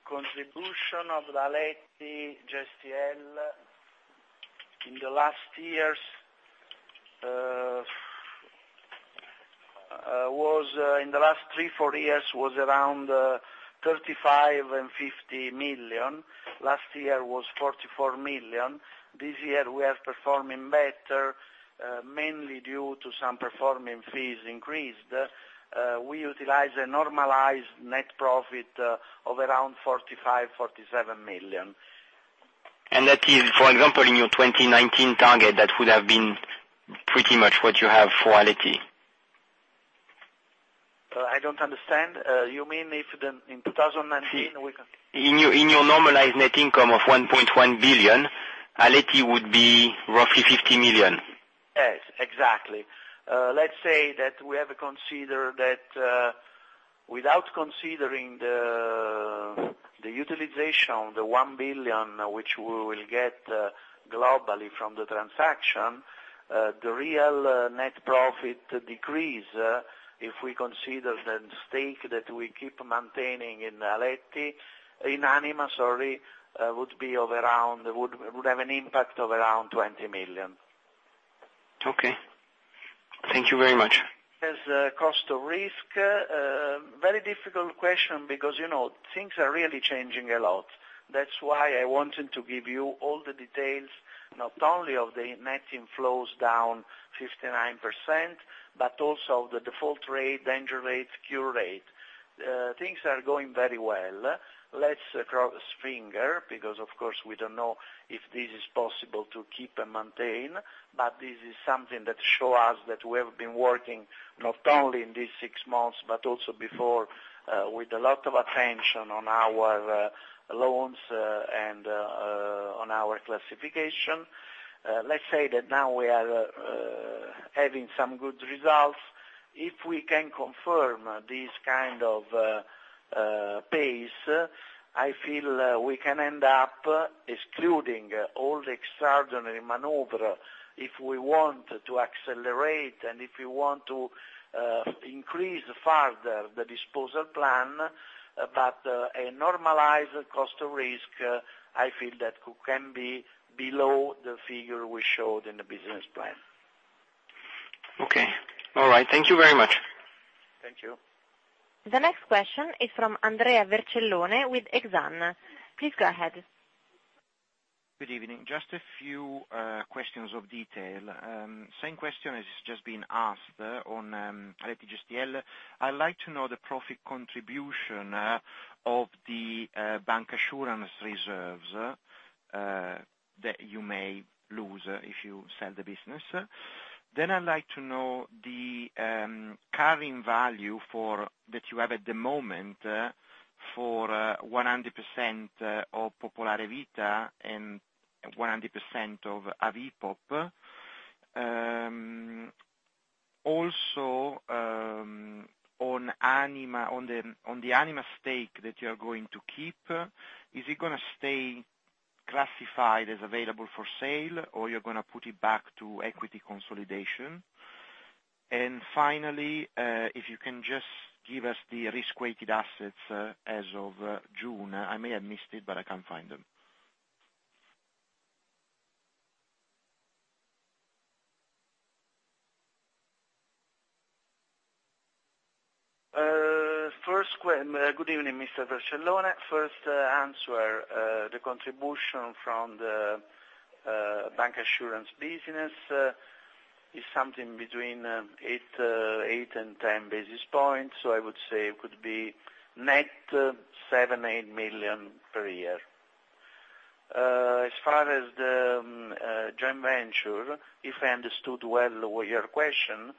contribution of Aletti Gestielle in the last three, four years was around 35 million and 50 million. Last year was 44 million. This year, we are performing better, mainly due to some performing fees increased. We utilize a normalized net profit of around 45 million, EUR 47 million. That is, for example, in your 2019 target, that would have been pretty much what you have for Aletti. I don't understand. You mean if in 2019, we can- In your normalized net income of 1.1 billion, Aletti would be roughly 50 million. Yes, exactly. Let's say that we have considered that without considering the utilization of the 1 billion which we will get globally from the transaction, the real net profit decrease, if we consider the stake that we keep maintaining in Anima, would have an impact of around 20 million. Okay. Thank you very much. As a cost of risk, very difficult question because things are really changing a lot. That's why I wanted to give you all the details, not only of the net inflows down 59%, but also the default rate, danger rate, cure rate. Things are going very well. Let's cross finger, because of course, we don't know if this is possible to keep and maintain, but this is something that show us that we have been working not only in these six months, but also before with a lot of attention on our loans and on our classification. Let's say that now we are having some good results. If we can confirm this kind of pace, I feel we can end up excluding all the extraordinary maneuver if we want to accelerate and if we want to increase further the disposal plan. A normalized cost of risk, I feel that can be below the figure we showed in the business plan. Okay. All right. Thank you very much. Thank you. The next question is from Andrea Vercellone with Exane. Please go ahead. Good evening. Just a few questions of detail. Same question has just been asked on Aletti Gestielle. I'd like to know the profit contribution of the bank assurance reserves that you may lose if you sell the business. I'd like to know the carrying value that you have at the moment for 100% of Popolare Vita and 100% of Avipop. On the Anima stake that you're going to keep, is it going to stay classified as available for sale, or you're going to put it back to equity consolidation? Finally, if you can just give us the risk-weighted assets as of June. I may have missed it, but I can't find them. Good evening, Mr. Vercellone. First answer, the contribution from the bank assurance business is something between eight and 10 basis points. I would say it could be net EUR seven, eight million per year. As far as the joint venture, if I understood well your question,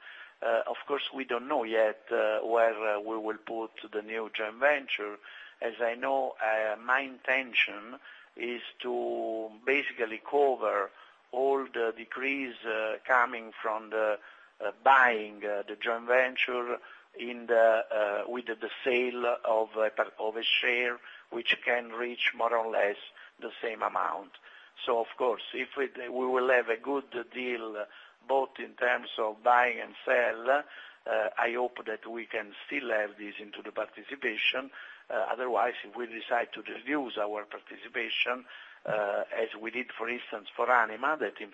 of course, we don't know yet where we will put the new joint venture. As I know, my intention is to basically cover all the decrease coming from the buying the joint venture with the sale of a share, which can reach more or less the same amount. Of course, if we will have a good deal, both in terms of buying and sell, I hope that we can still have this into the participation. Otherwise, if we decide to reduce our participation, as we did, for instance, for Anima, that in 15%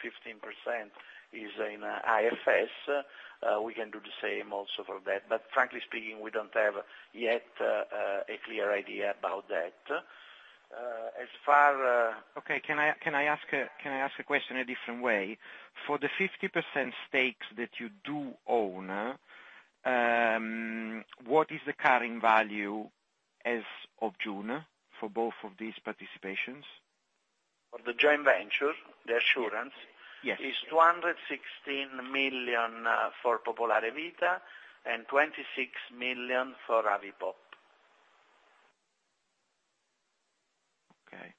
is in AFS, we can do the same also for that. Frankly speaking, we don't have yet a clear idea about that. Okay. Can I ask a question a different way? For the 50% stakes that you do own, what is the carrying value as of June for both of these participations? For the joint venture, the assurance- Yes is 216 million for Popolare Vita and 26 million for Avipop Assicurazioni. Okay.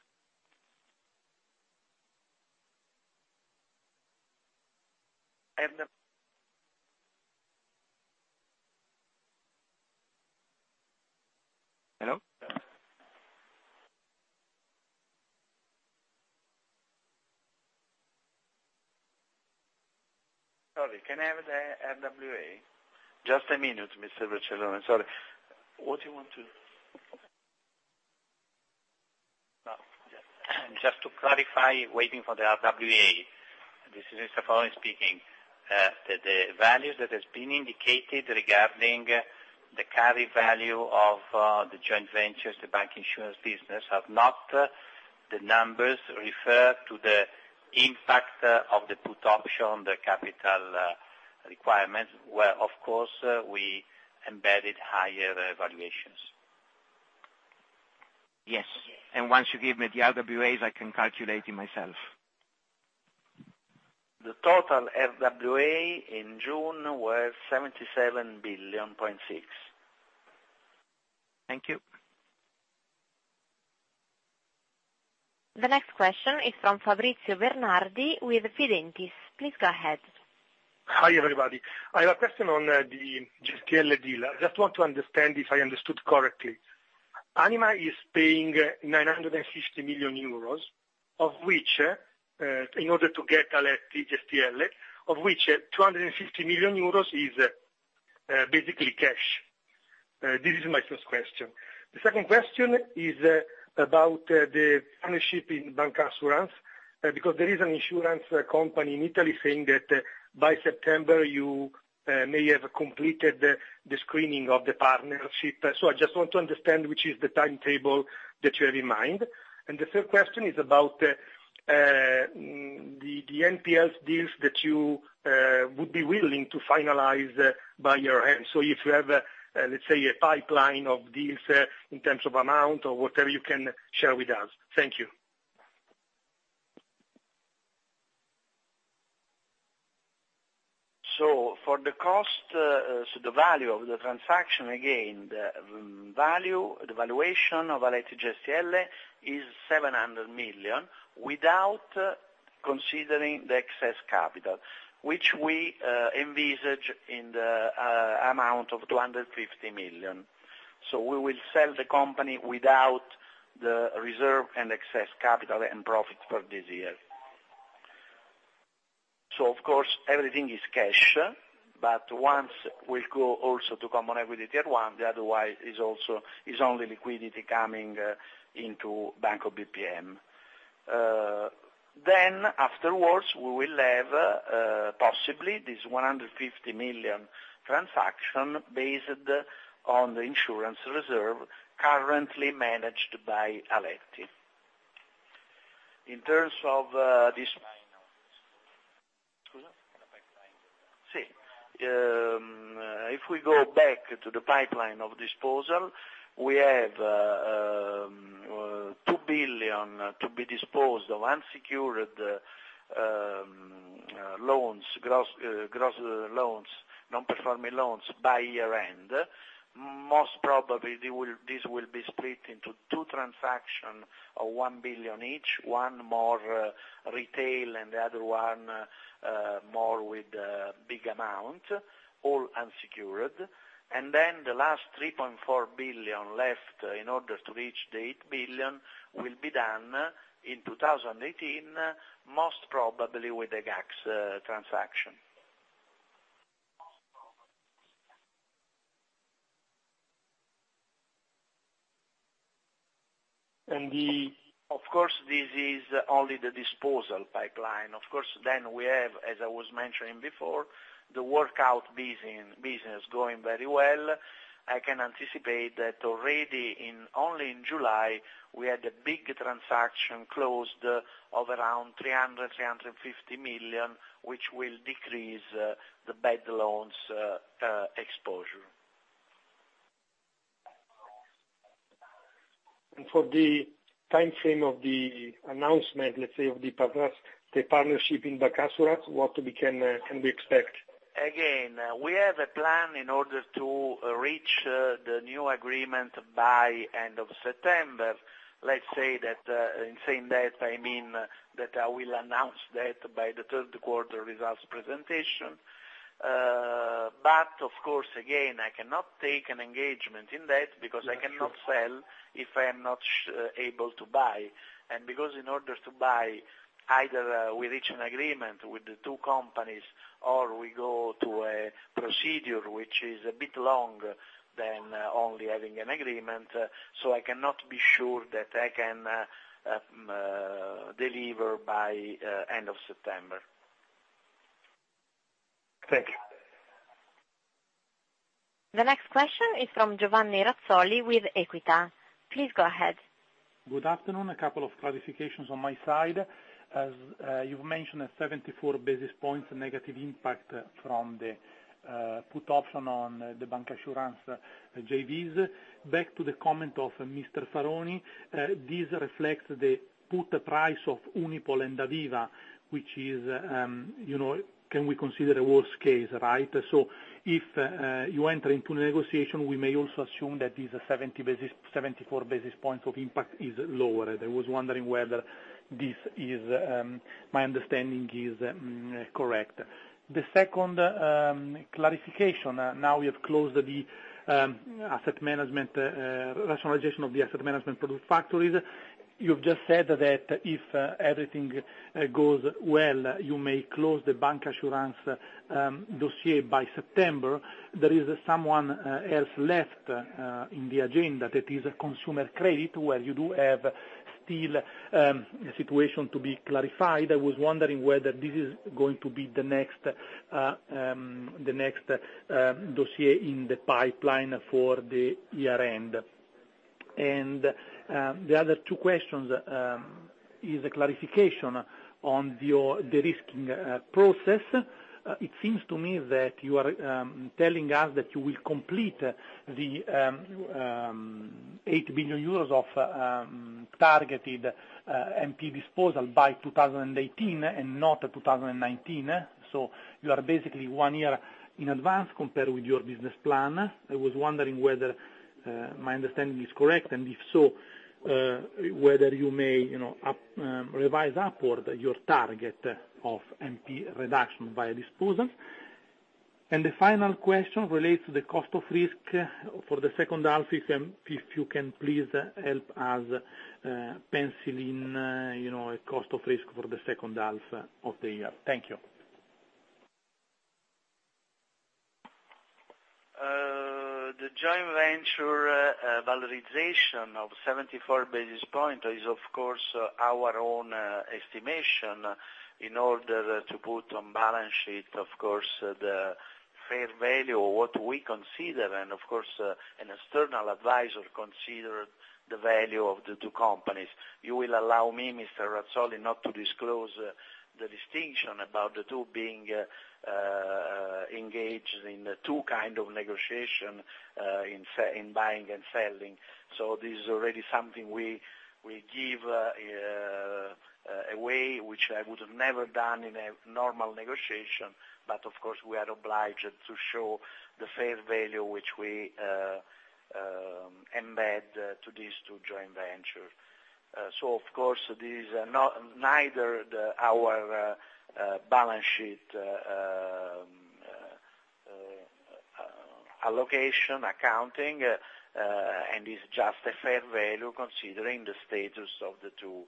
Hello? Sorry, can I have the RWA? Just a minute, Mr. Vercellone. Sorry, what do you want to? Just to clarify, waiting for the RWA. This is Mr. Faroni speaking. The values that has been indicated regarding the carry value of the joint ventures, the Banco BPM Insurance business, are not the numbers referred to the impact of the put option, the capital requirements, where, of course, we embedded higher valuations. Yes. Once you give me the RWAs, I can calculate it myself. The total RWA in June was 77.6 billion. Thank you. The next question is from Fabrizio Bernardi with Fidentiis. Please go ahead. Hi, everybody. I have a question on the Gestielle SGR deal. I just want to understand if I understood correctly. Anima is paying 950 million euros in order to get Aletti Gestielle SGR, of which 250 million euros is basically cash. This is my first question. The second question is about the partnership in bancassurance, because there is an insurance company in Italy saying that by September you may have completed the screening of the partnership. I just want to understand which is the timetable that you have in mind. The third question is about the NPL deals that you would be willing to finalize by year-end. If you have, let's say, a pipeline of deals in terms of amount or whatever you can share with us. Thank you. For the cost, the value of the transaction, again, the valuation of Aletti Gestielle SGR is 700 million, without considering the excess capital, which we envisage in the amount of 250 million. We will sell the company without the reserve and excess capital and profit for this year. Of course, everything is cash, but once we go also to common equity tier one, the otherwise is only liquidity coming into Banco BPM. Afterwards, we will have possibly this 150 million transaction based on the insurance reserve currently managed by Aletti. In terms of this Pipeline. Scusa? The pipeline. Si. If we go back to the pipeline of disposal, we have 2 billion to be disposed of unsecured loans, gross loans, non-performing loans by year-end. Most probably, this will be split into two transaction of 1 billion each, one more retail and the other one more with big amount, all unsecured. The last 3.4 billion left in order to reach the 8 billion will be done in 2018, most probably with a GACS transaction. And the- Of course, this is only the disposal pipeline. Of course, we have, as I was mentioning before, the workout business going very well. I can anticipate that already only in July, we had a big transaction closed of around 300 million-350 million, which will decrease the bad loans exposure. For the timeframe of the announcement, let's say, of the partnership in bancassurance, what can we expect? Again, we have a plan in order to reach the new agreement by end of September. Let's say that, in saying that, I mean that I will announce that by the third quarter results presentation. Of course, again, I cannot take an engagement in that because I cannot sell if I am not able to buy. Because in order to buy, either we reach an agreement with the two companies or we go to a procedure which is a bit longer than only having an agreement. I cannot be sure that I can deliver by end of September. Thank you. The next question is from Giovanni Razzoli with Equita. Please go ahead. Good afternoon. A couple of clarifications on my side. As you've mentioned, 74 basis points negative impact from the put option on the bancassurance JVs. Back to the comment of Mr. Faroni, this reflects the put price of Unipol and Aviva, which can we consider a worst case. If you enter into negotiation, we may also assume that this 74 basis points of impact is lower. I was wondering whether my understanding is correct. The second clarification, now we have closed the rationalization of the asset management product factories. You've just said that if everything goes well, you may close the bancassurance dossier by September. There is someone else left in the agenda, that is consumer credit, where you do have still a situation to be clarified. I was wondering whether this is going to be the next dossier in the pipeline for the year-end. The other two questions is a clarification on the de-risking process. It seems to me that you are telling us that you will complete the 8 billion euros of targeted NPL disposal by 2018 and not 2019. You are basically one year in advance compared with your business plan. I was wondering whether my understanding is correct, and if so, whether you may revise upward your target of NPL reduction by disposal. The final question relates to the cost of risk for the second half, if you can please help us pencil in a cost of risk for the second half of the year. Thank you. The joint venture valorization of 74 basis points is, of course, our own estimation in order to put on balance sheet, of course, the fair value, what we consider, and of course an external advisor consider the value of the two companies. You will allow me, Mr. Razzoli, not to disclose the distinction about the two being engaged in two kind of negotiation, in buying and selling. This is already something we give away, which I would have never done in a normal negotiation. Of course, we are obliged to show the fair value which we embed to these two joint venture. Of course, this is neither our balance sheet allocation accounting, and is just a fair value considering the status of the two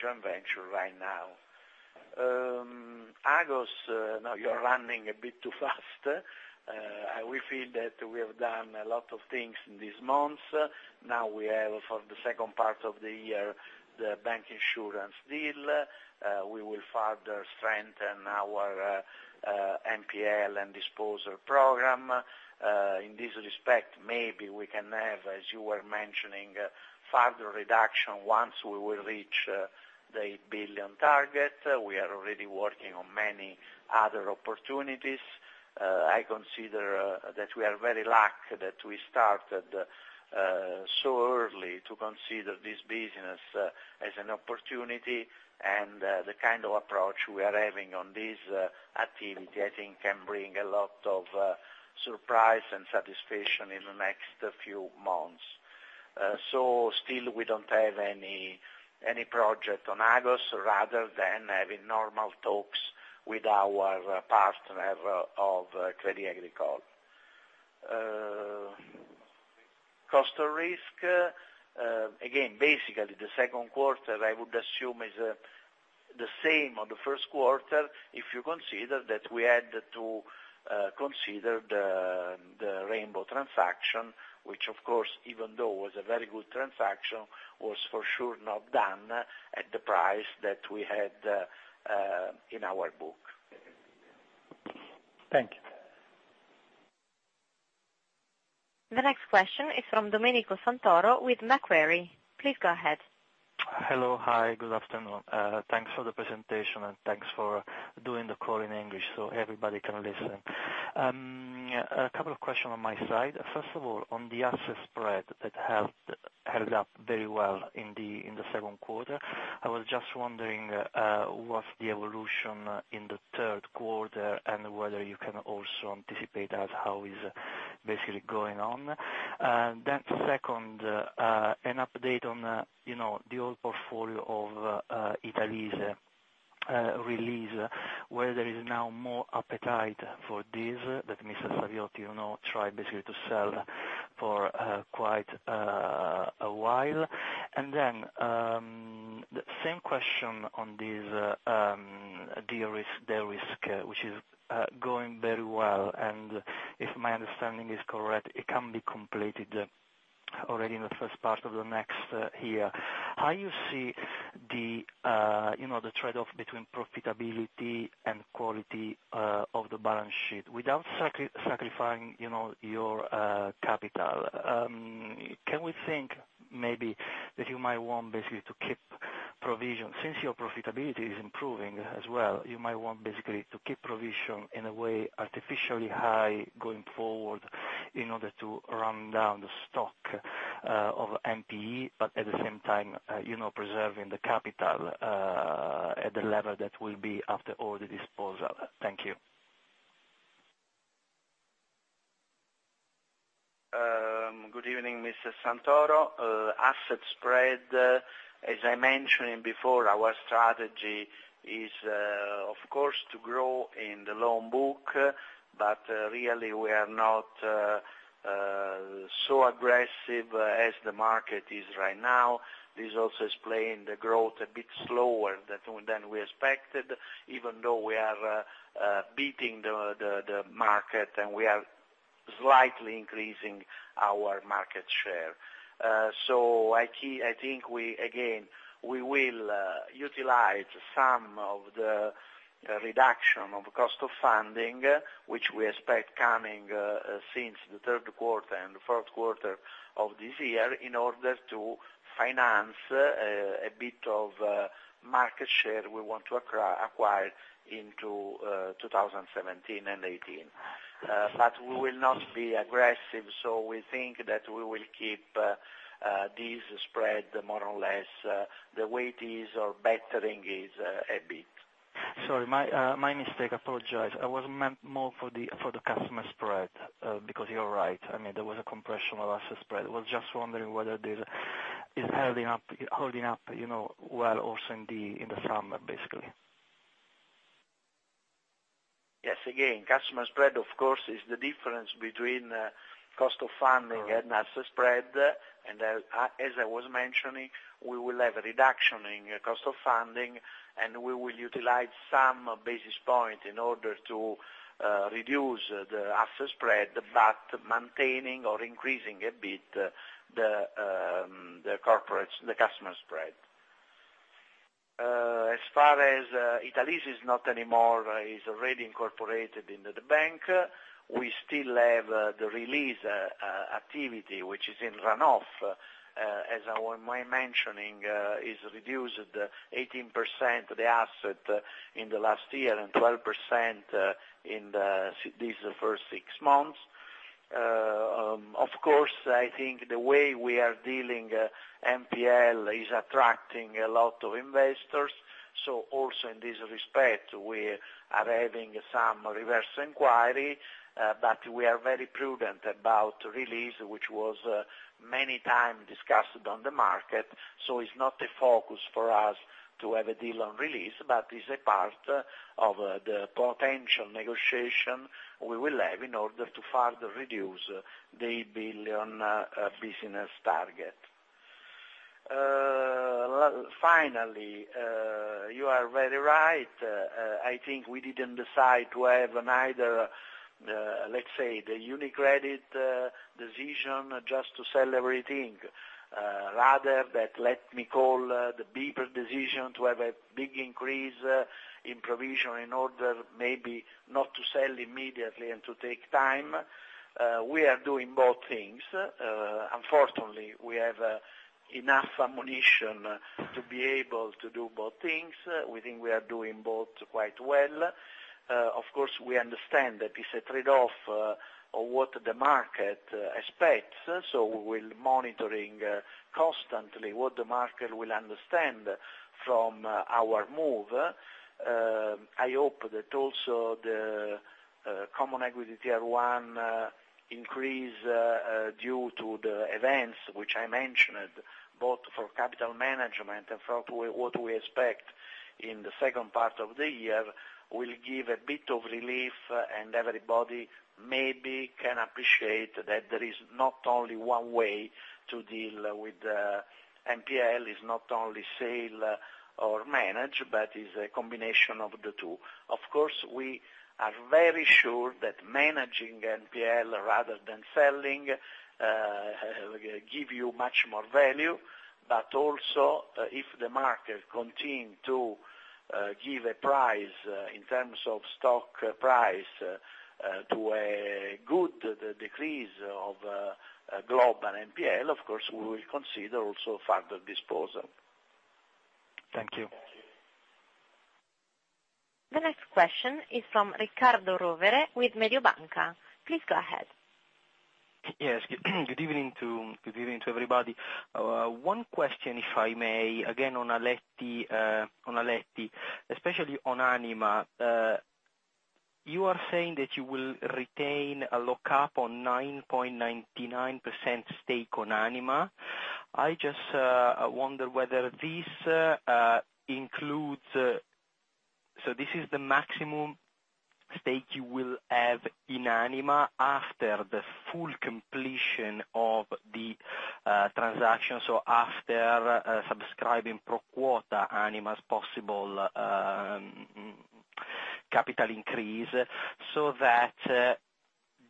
joint venture right now. Agos, now you're running a bit too fast. We feel that we have done a lot of things in these months. Now we have, for the second part of the year, the bancassurance deal. We will further strengthen our NPL and disposal program. In this respect, maybe we can have, as you were mentioning, further reduction once we will reach the 8 billion target. We are already working on many other opportunities. I consider that we are very lucky that we started so early to consider this business as an opportunity, and the kind of approach we are having on this activity, I think, can bring a lot of surprise and satisfaction in the next few months. Still, we don't have any project on Agos rather than having normal talks with our partner of Crédit Agricole. Cost of risk. Basically the second quarter, I would assume, is the same on the first quarter if you consider that we had to consider the Rainbow transaction, which of course, even though was a very good transaction, was for sure not done at the price that we had in our book. Thank you. The next question is from Domenico Santoro with Macquarie. Please go ahead. Hello. Hi, good afternoon. Thanks for the presentation and thanks for doing the call in English so everybody can listen. A couple of questions on my side. First of all, on the asset spread that held up very well in the second quarter, I was just wondering what's the evolution in the third quarter and whether you can also anticipate us how is basically going on. Second, an update on the old portfolio of Italease, where there is now more appetite for this, that Mr. Saviotti tried basically to sell for quite a while. And then the same question on this de-risk, which is going very well, and if my understanding is correct, it can be completed already in the first part of the next year. How you see the trade-off between profitability and quality of the balance sheet without sacrificing your capital? Can we think maybe that you might want basically to keep provision? Since your profitability is improving as well, you might want basically to keep provision in a way artificially high going forward in order to run down the stock of NPE, but at the same time, preserving the capital at the level that will be after all the disposal. Thank you. Good evening, Mr. Santoro. Asset spread, as I mentioned before, our strategy is, of course, to grow in the loan book, but really we are not so aggressive as the market is right now. This also is playing the growth a bit slower than we expected, even though we are beating the market and we are slightly increasing our market share. I think we, again, we will utilize some of the reduction of cost of funding, which we expect coming since the third quarter and the fourth quarter of this year in order to finance a bit of market share we want to acquire into 2017 and 2018. We will not be aggressive. We think that we will keep this spread more or less the way it is or bettering it a bit. Sorry, my mistake. I apologize. I was meant more for the customer spread, because you are right. There was a compression of asset spread. Was just wondering whether this is holding up well also in the summer, basically? Yes. Again, customer spread, of course, is the difference between cost of funding and asset spread. As I was mentioning, we will have a reduction in cost of funding, and we will utilize some basis point in order to reduce the asset spread, but maintaining or increasing a bit the customer spread. As far as Italease is not anymore, is already incorporated into the bank. We still have the leasing activity, which is in run-off. As I was mentioning, is reduced 18% the asset in the last year and 12% in these first six months. Of course, I think the way we are dealing NPL is attracting a lot of investors. Also in this respect, we are having some reverse inquiry, but we are very prudent about leasing, which was many time discussed on the market. It's not a focus for us to have a deal on leasing, but it's a part of the potential negotiation we will have in order to further reduce the billion business target. Finally, you are very right. I think we didn't decide to have neither, let's say, the UniCredit decision just to sell everything, rather that let me call the bigger decision to have a big increase in provision in order maybe not to sell immediately and to take time. We are doing both things. Unfortunately, we have enough ammunition to be able to do both things. We think we are doing both quite well. Of course, we understand that it's a trade-off of what the market expects, so we will monitoring constantly what the market will understand from our move. I hope that also the common equity tier one increase due to the events which I mentioned, both for capital management and for what we expect in the second part of the year, will give a bit of relief, and everybody maybe can appreciate that there is not only one way to deal with NPL. It is not only sale or manage, but is a combination of the two. Of course, we are very sure that managing NPL rather than selling give you much more value. Also, if the market continue to give a price in terms of stock price to a good decrease of global NPL, of course, we will consider also further disposal. Thank you. The next question is from Riccardo Rovere with Mediobanca. Please go ahead. Yes. Good evening to everybody. One question, if I may, again, on Aletti, especially on Anima. This is the maximum stake you will have in Anima after the full completion of the transaction, after subscribing pro quota Anima's possible capital increase, so that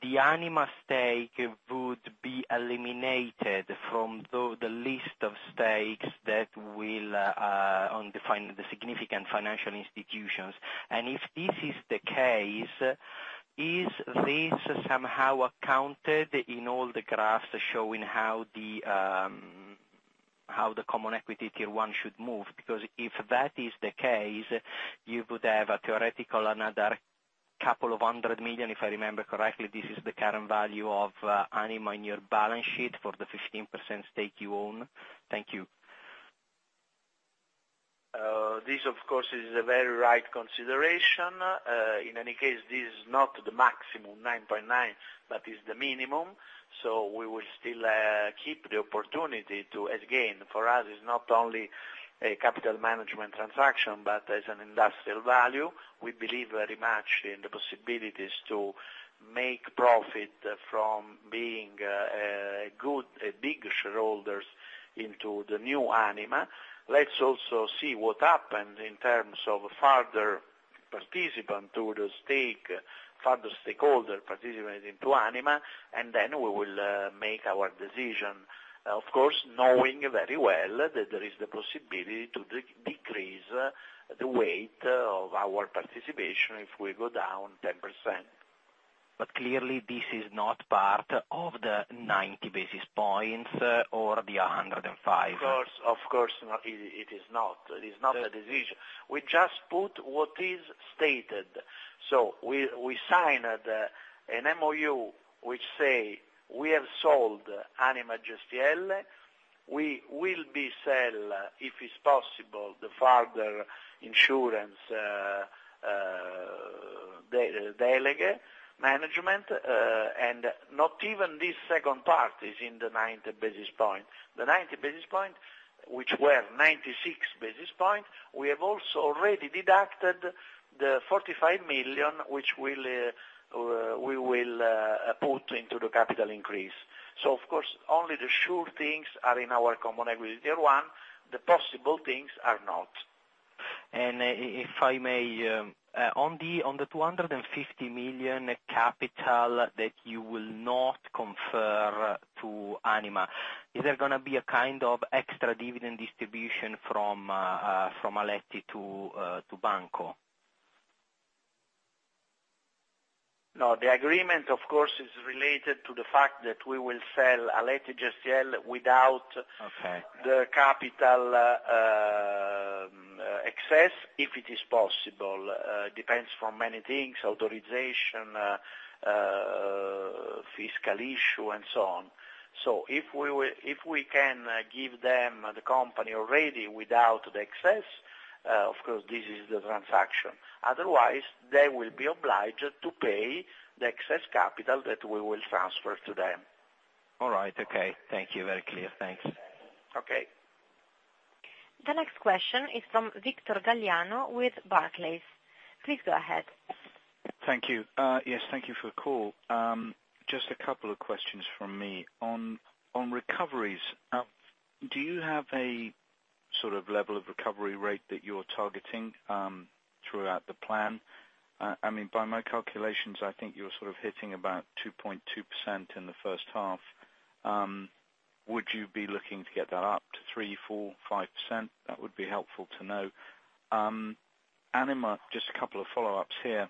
the Anima stake would be eliminated from the list of stakes that will on the significant financial institutions. If this is the case, is this somehow accounted in all the graphs showing how the common equity tier one should move? Because if that is the case, you would have a theoretical another EUR couple of hundred million, if I remember correctly, this is the current value of Anima in your balance sheet for the 15% stake you own. Thank you. This, of course, is a very right consideration. In any case, this is not the maximum 9.9%, but is the minimum. We will still keep the opportunity to, as again, for us it's not only a capital management transaction, but as an industrial value. We believe very much in the possibilities to make profit from being a big shareholders into the new Anima. Let's also see what happens in terms of further participant to the stake, further stakeholder participating to Anima, then we will make our decision. Of course, knowing very well that there is the possibility to decrease the weight of our participation if we go down 10%. Clearly this is not part of the 90 basis points or the 105 basis points. Of course, it is not. It is not a decision. We just put what is stated. We signed an MoU, which say we have sold Aletti Gestielle. We will sell, if it's possible, the further insurance delegated management, and not even this second part is in the 90 basis points. The 90 basis points, which were 96 basis points, we have also already deducted the 45 million, which we will put into the capital increase. Of course, only the sure things are in our common equity tier one, the possible things are not. If I may, on the 250 million capital that you will not confer to Anima, is there going to be a kind of extra dividend distribution from Aletti to Banco? No. The agreement, of course, is related to the fact that we will sell Aletti Gestielle without. Okay The capital excess, if it is possible. Depends from many things, authorization, fiscal issue and so on. If we can give them the company already without the excess, of course, this is the transaction. Otherwise, they will be obliged to pay the excess capital that we will transfer to them. All right. Okay. Thank you. Very clear. Thanks. Okay. The next question is from Victor Galliano with Barclays. Please go ahead. Thank you. Yes, thank you for the call. Just a couple of questions from me. On recoveries, do you have a level of recovery rate that you're targeting throughout the plan? By my calculations, I think you're hitting about 2.2% in the first half. Would you be looking to get that up to 3%, 4%, 5%? That would be helpful to know. Anima, just a couple of follow-ups here.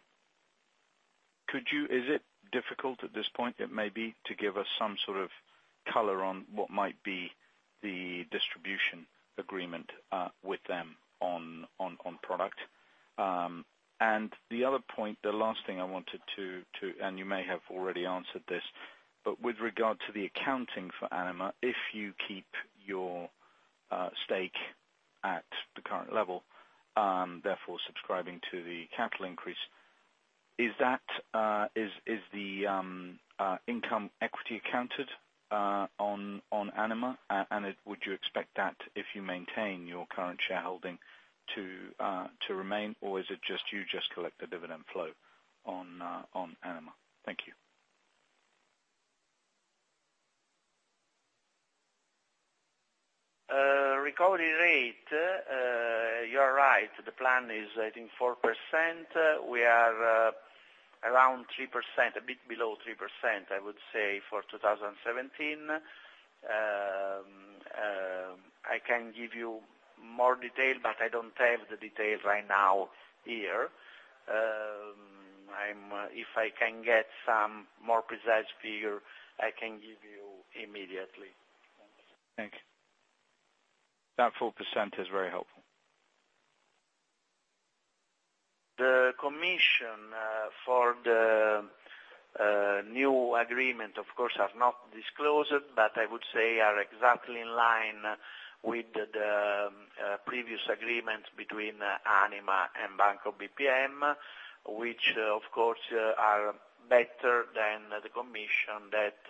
Is it difficult at this point, it may be, to give us some sort of color on what might be the distribution agreement with them on product? The other point, the last thing I wanted to, and you may have already answered this, but with regard to the accounting for Anima, if you keep your stake at the current level, therefore subscribing to the capital increase, is the income equity accounted on Anima? Would you expect that if you maintain your current shareholding to remain, or is it just you just collect the dividend flow on Anima? Thank you. Recovery rate, you're right. The plan is, I think 4%. We are around 3%, a bit below 3%, I would say for 2017. I can give you more detail, but I don't have the details right now here. If I can get some more precise figure, I can give you immediately. Thanks. That 4% is very helpful. The commission for the new agreement, of course, are not disclosed, but I would say are exactly in line with the previous agreements between Anima and Banco BPM, which, of course, are better than the commission that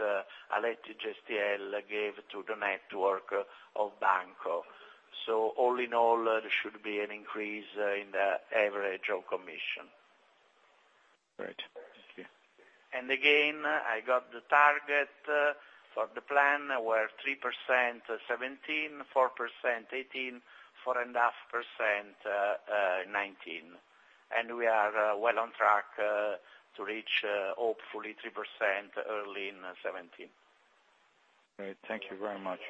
Aletti Gestielle gave to the network of Banco BPM. All in all, there should be an increase in the average of commission. Great. Thank you. Again, I got the target for the plan were 3% 2017, 4% 2018, 4.5% 2019. We are well on track to reach hopefully 3% early in 2017. Great. Thank you very much.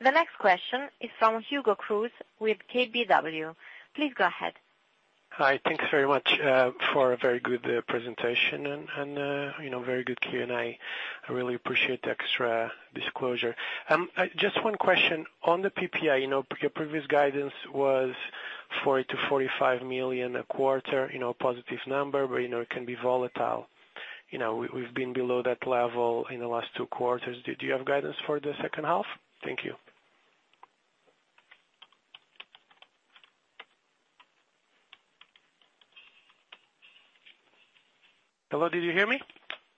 The next question is from Hugo Cruz with KBW. Please go ahead. Hi. Thanks very much for a very good presentation and very good Q&A. I really appreciate the extra disclosure. Just one question on the PPA. Your previous guidance was 40 million to 45 million a quarter, positive number, but it can be volatile. We've been below that level in the last two quarters. Do you have guidance for the second half? Thank you. Hello, did you hear me?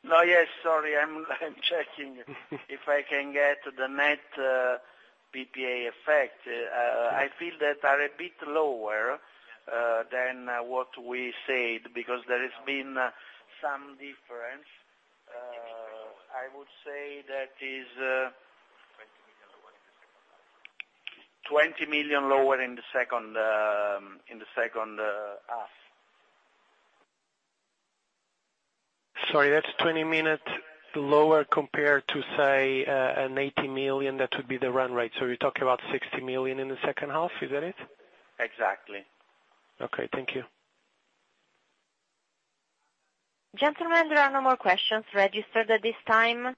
No. Yes, sorry. I'm checking if I can get the net PPA effect. I feel that are a bit lower than what we said, because there has been some difference. I would say that is 20 million lower in the second half. Sorry, that's 20 million lower compared to, say, an 80 million, that would be the run rate. You're talking about 60 million in the second half. Is that it? Exactly. Okay. Thank you. Gentlemen, there are no more questions registered at this time.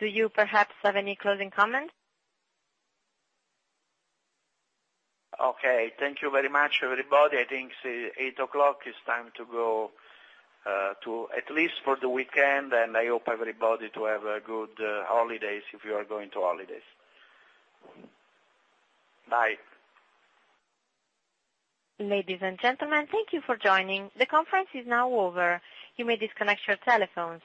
Do you perhaps have any closing comments? Okay. Thank you very much, everybody. I think it's eight o'clock. It's time to go, at least for the weekend, I hope everybody to have a good holidays, if you are going to holidays. Bye. Ladies and gentlemen, thank you for joining. The conference is now over. You may disconnect your telephones.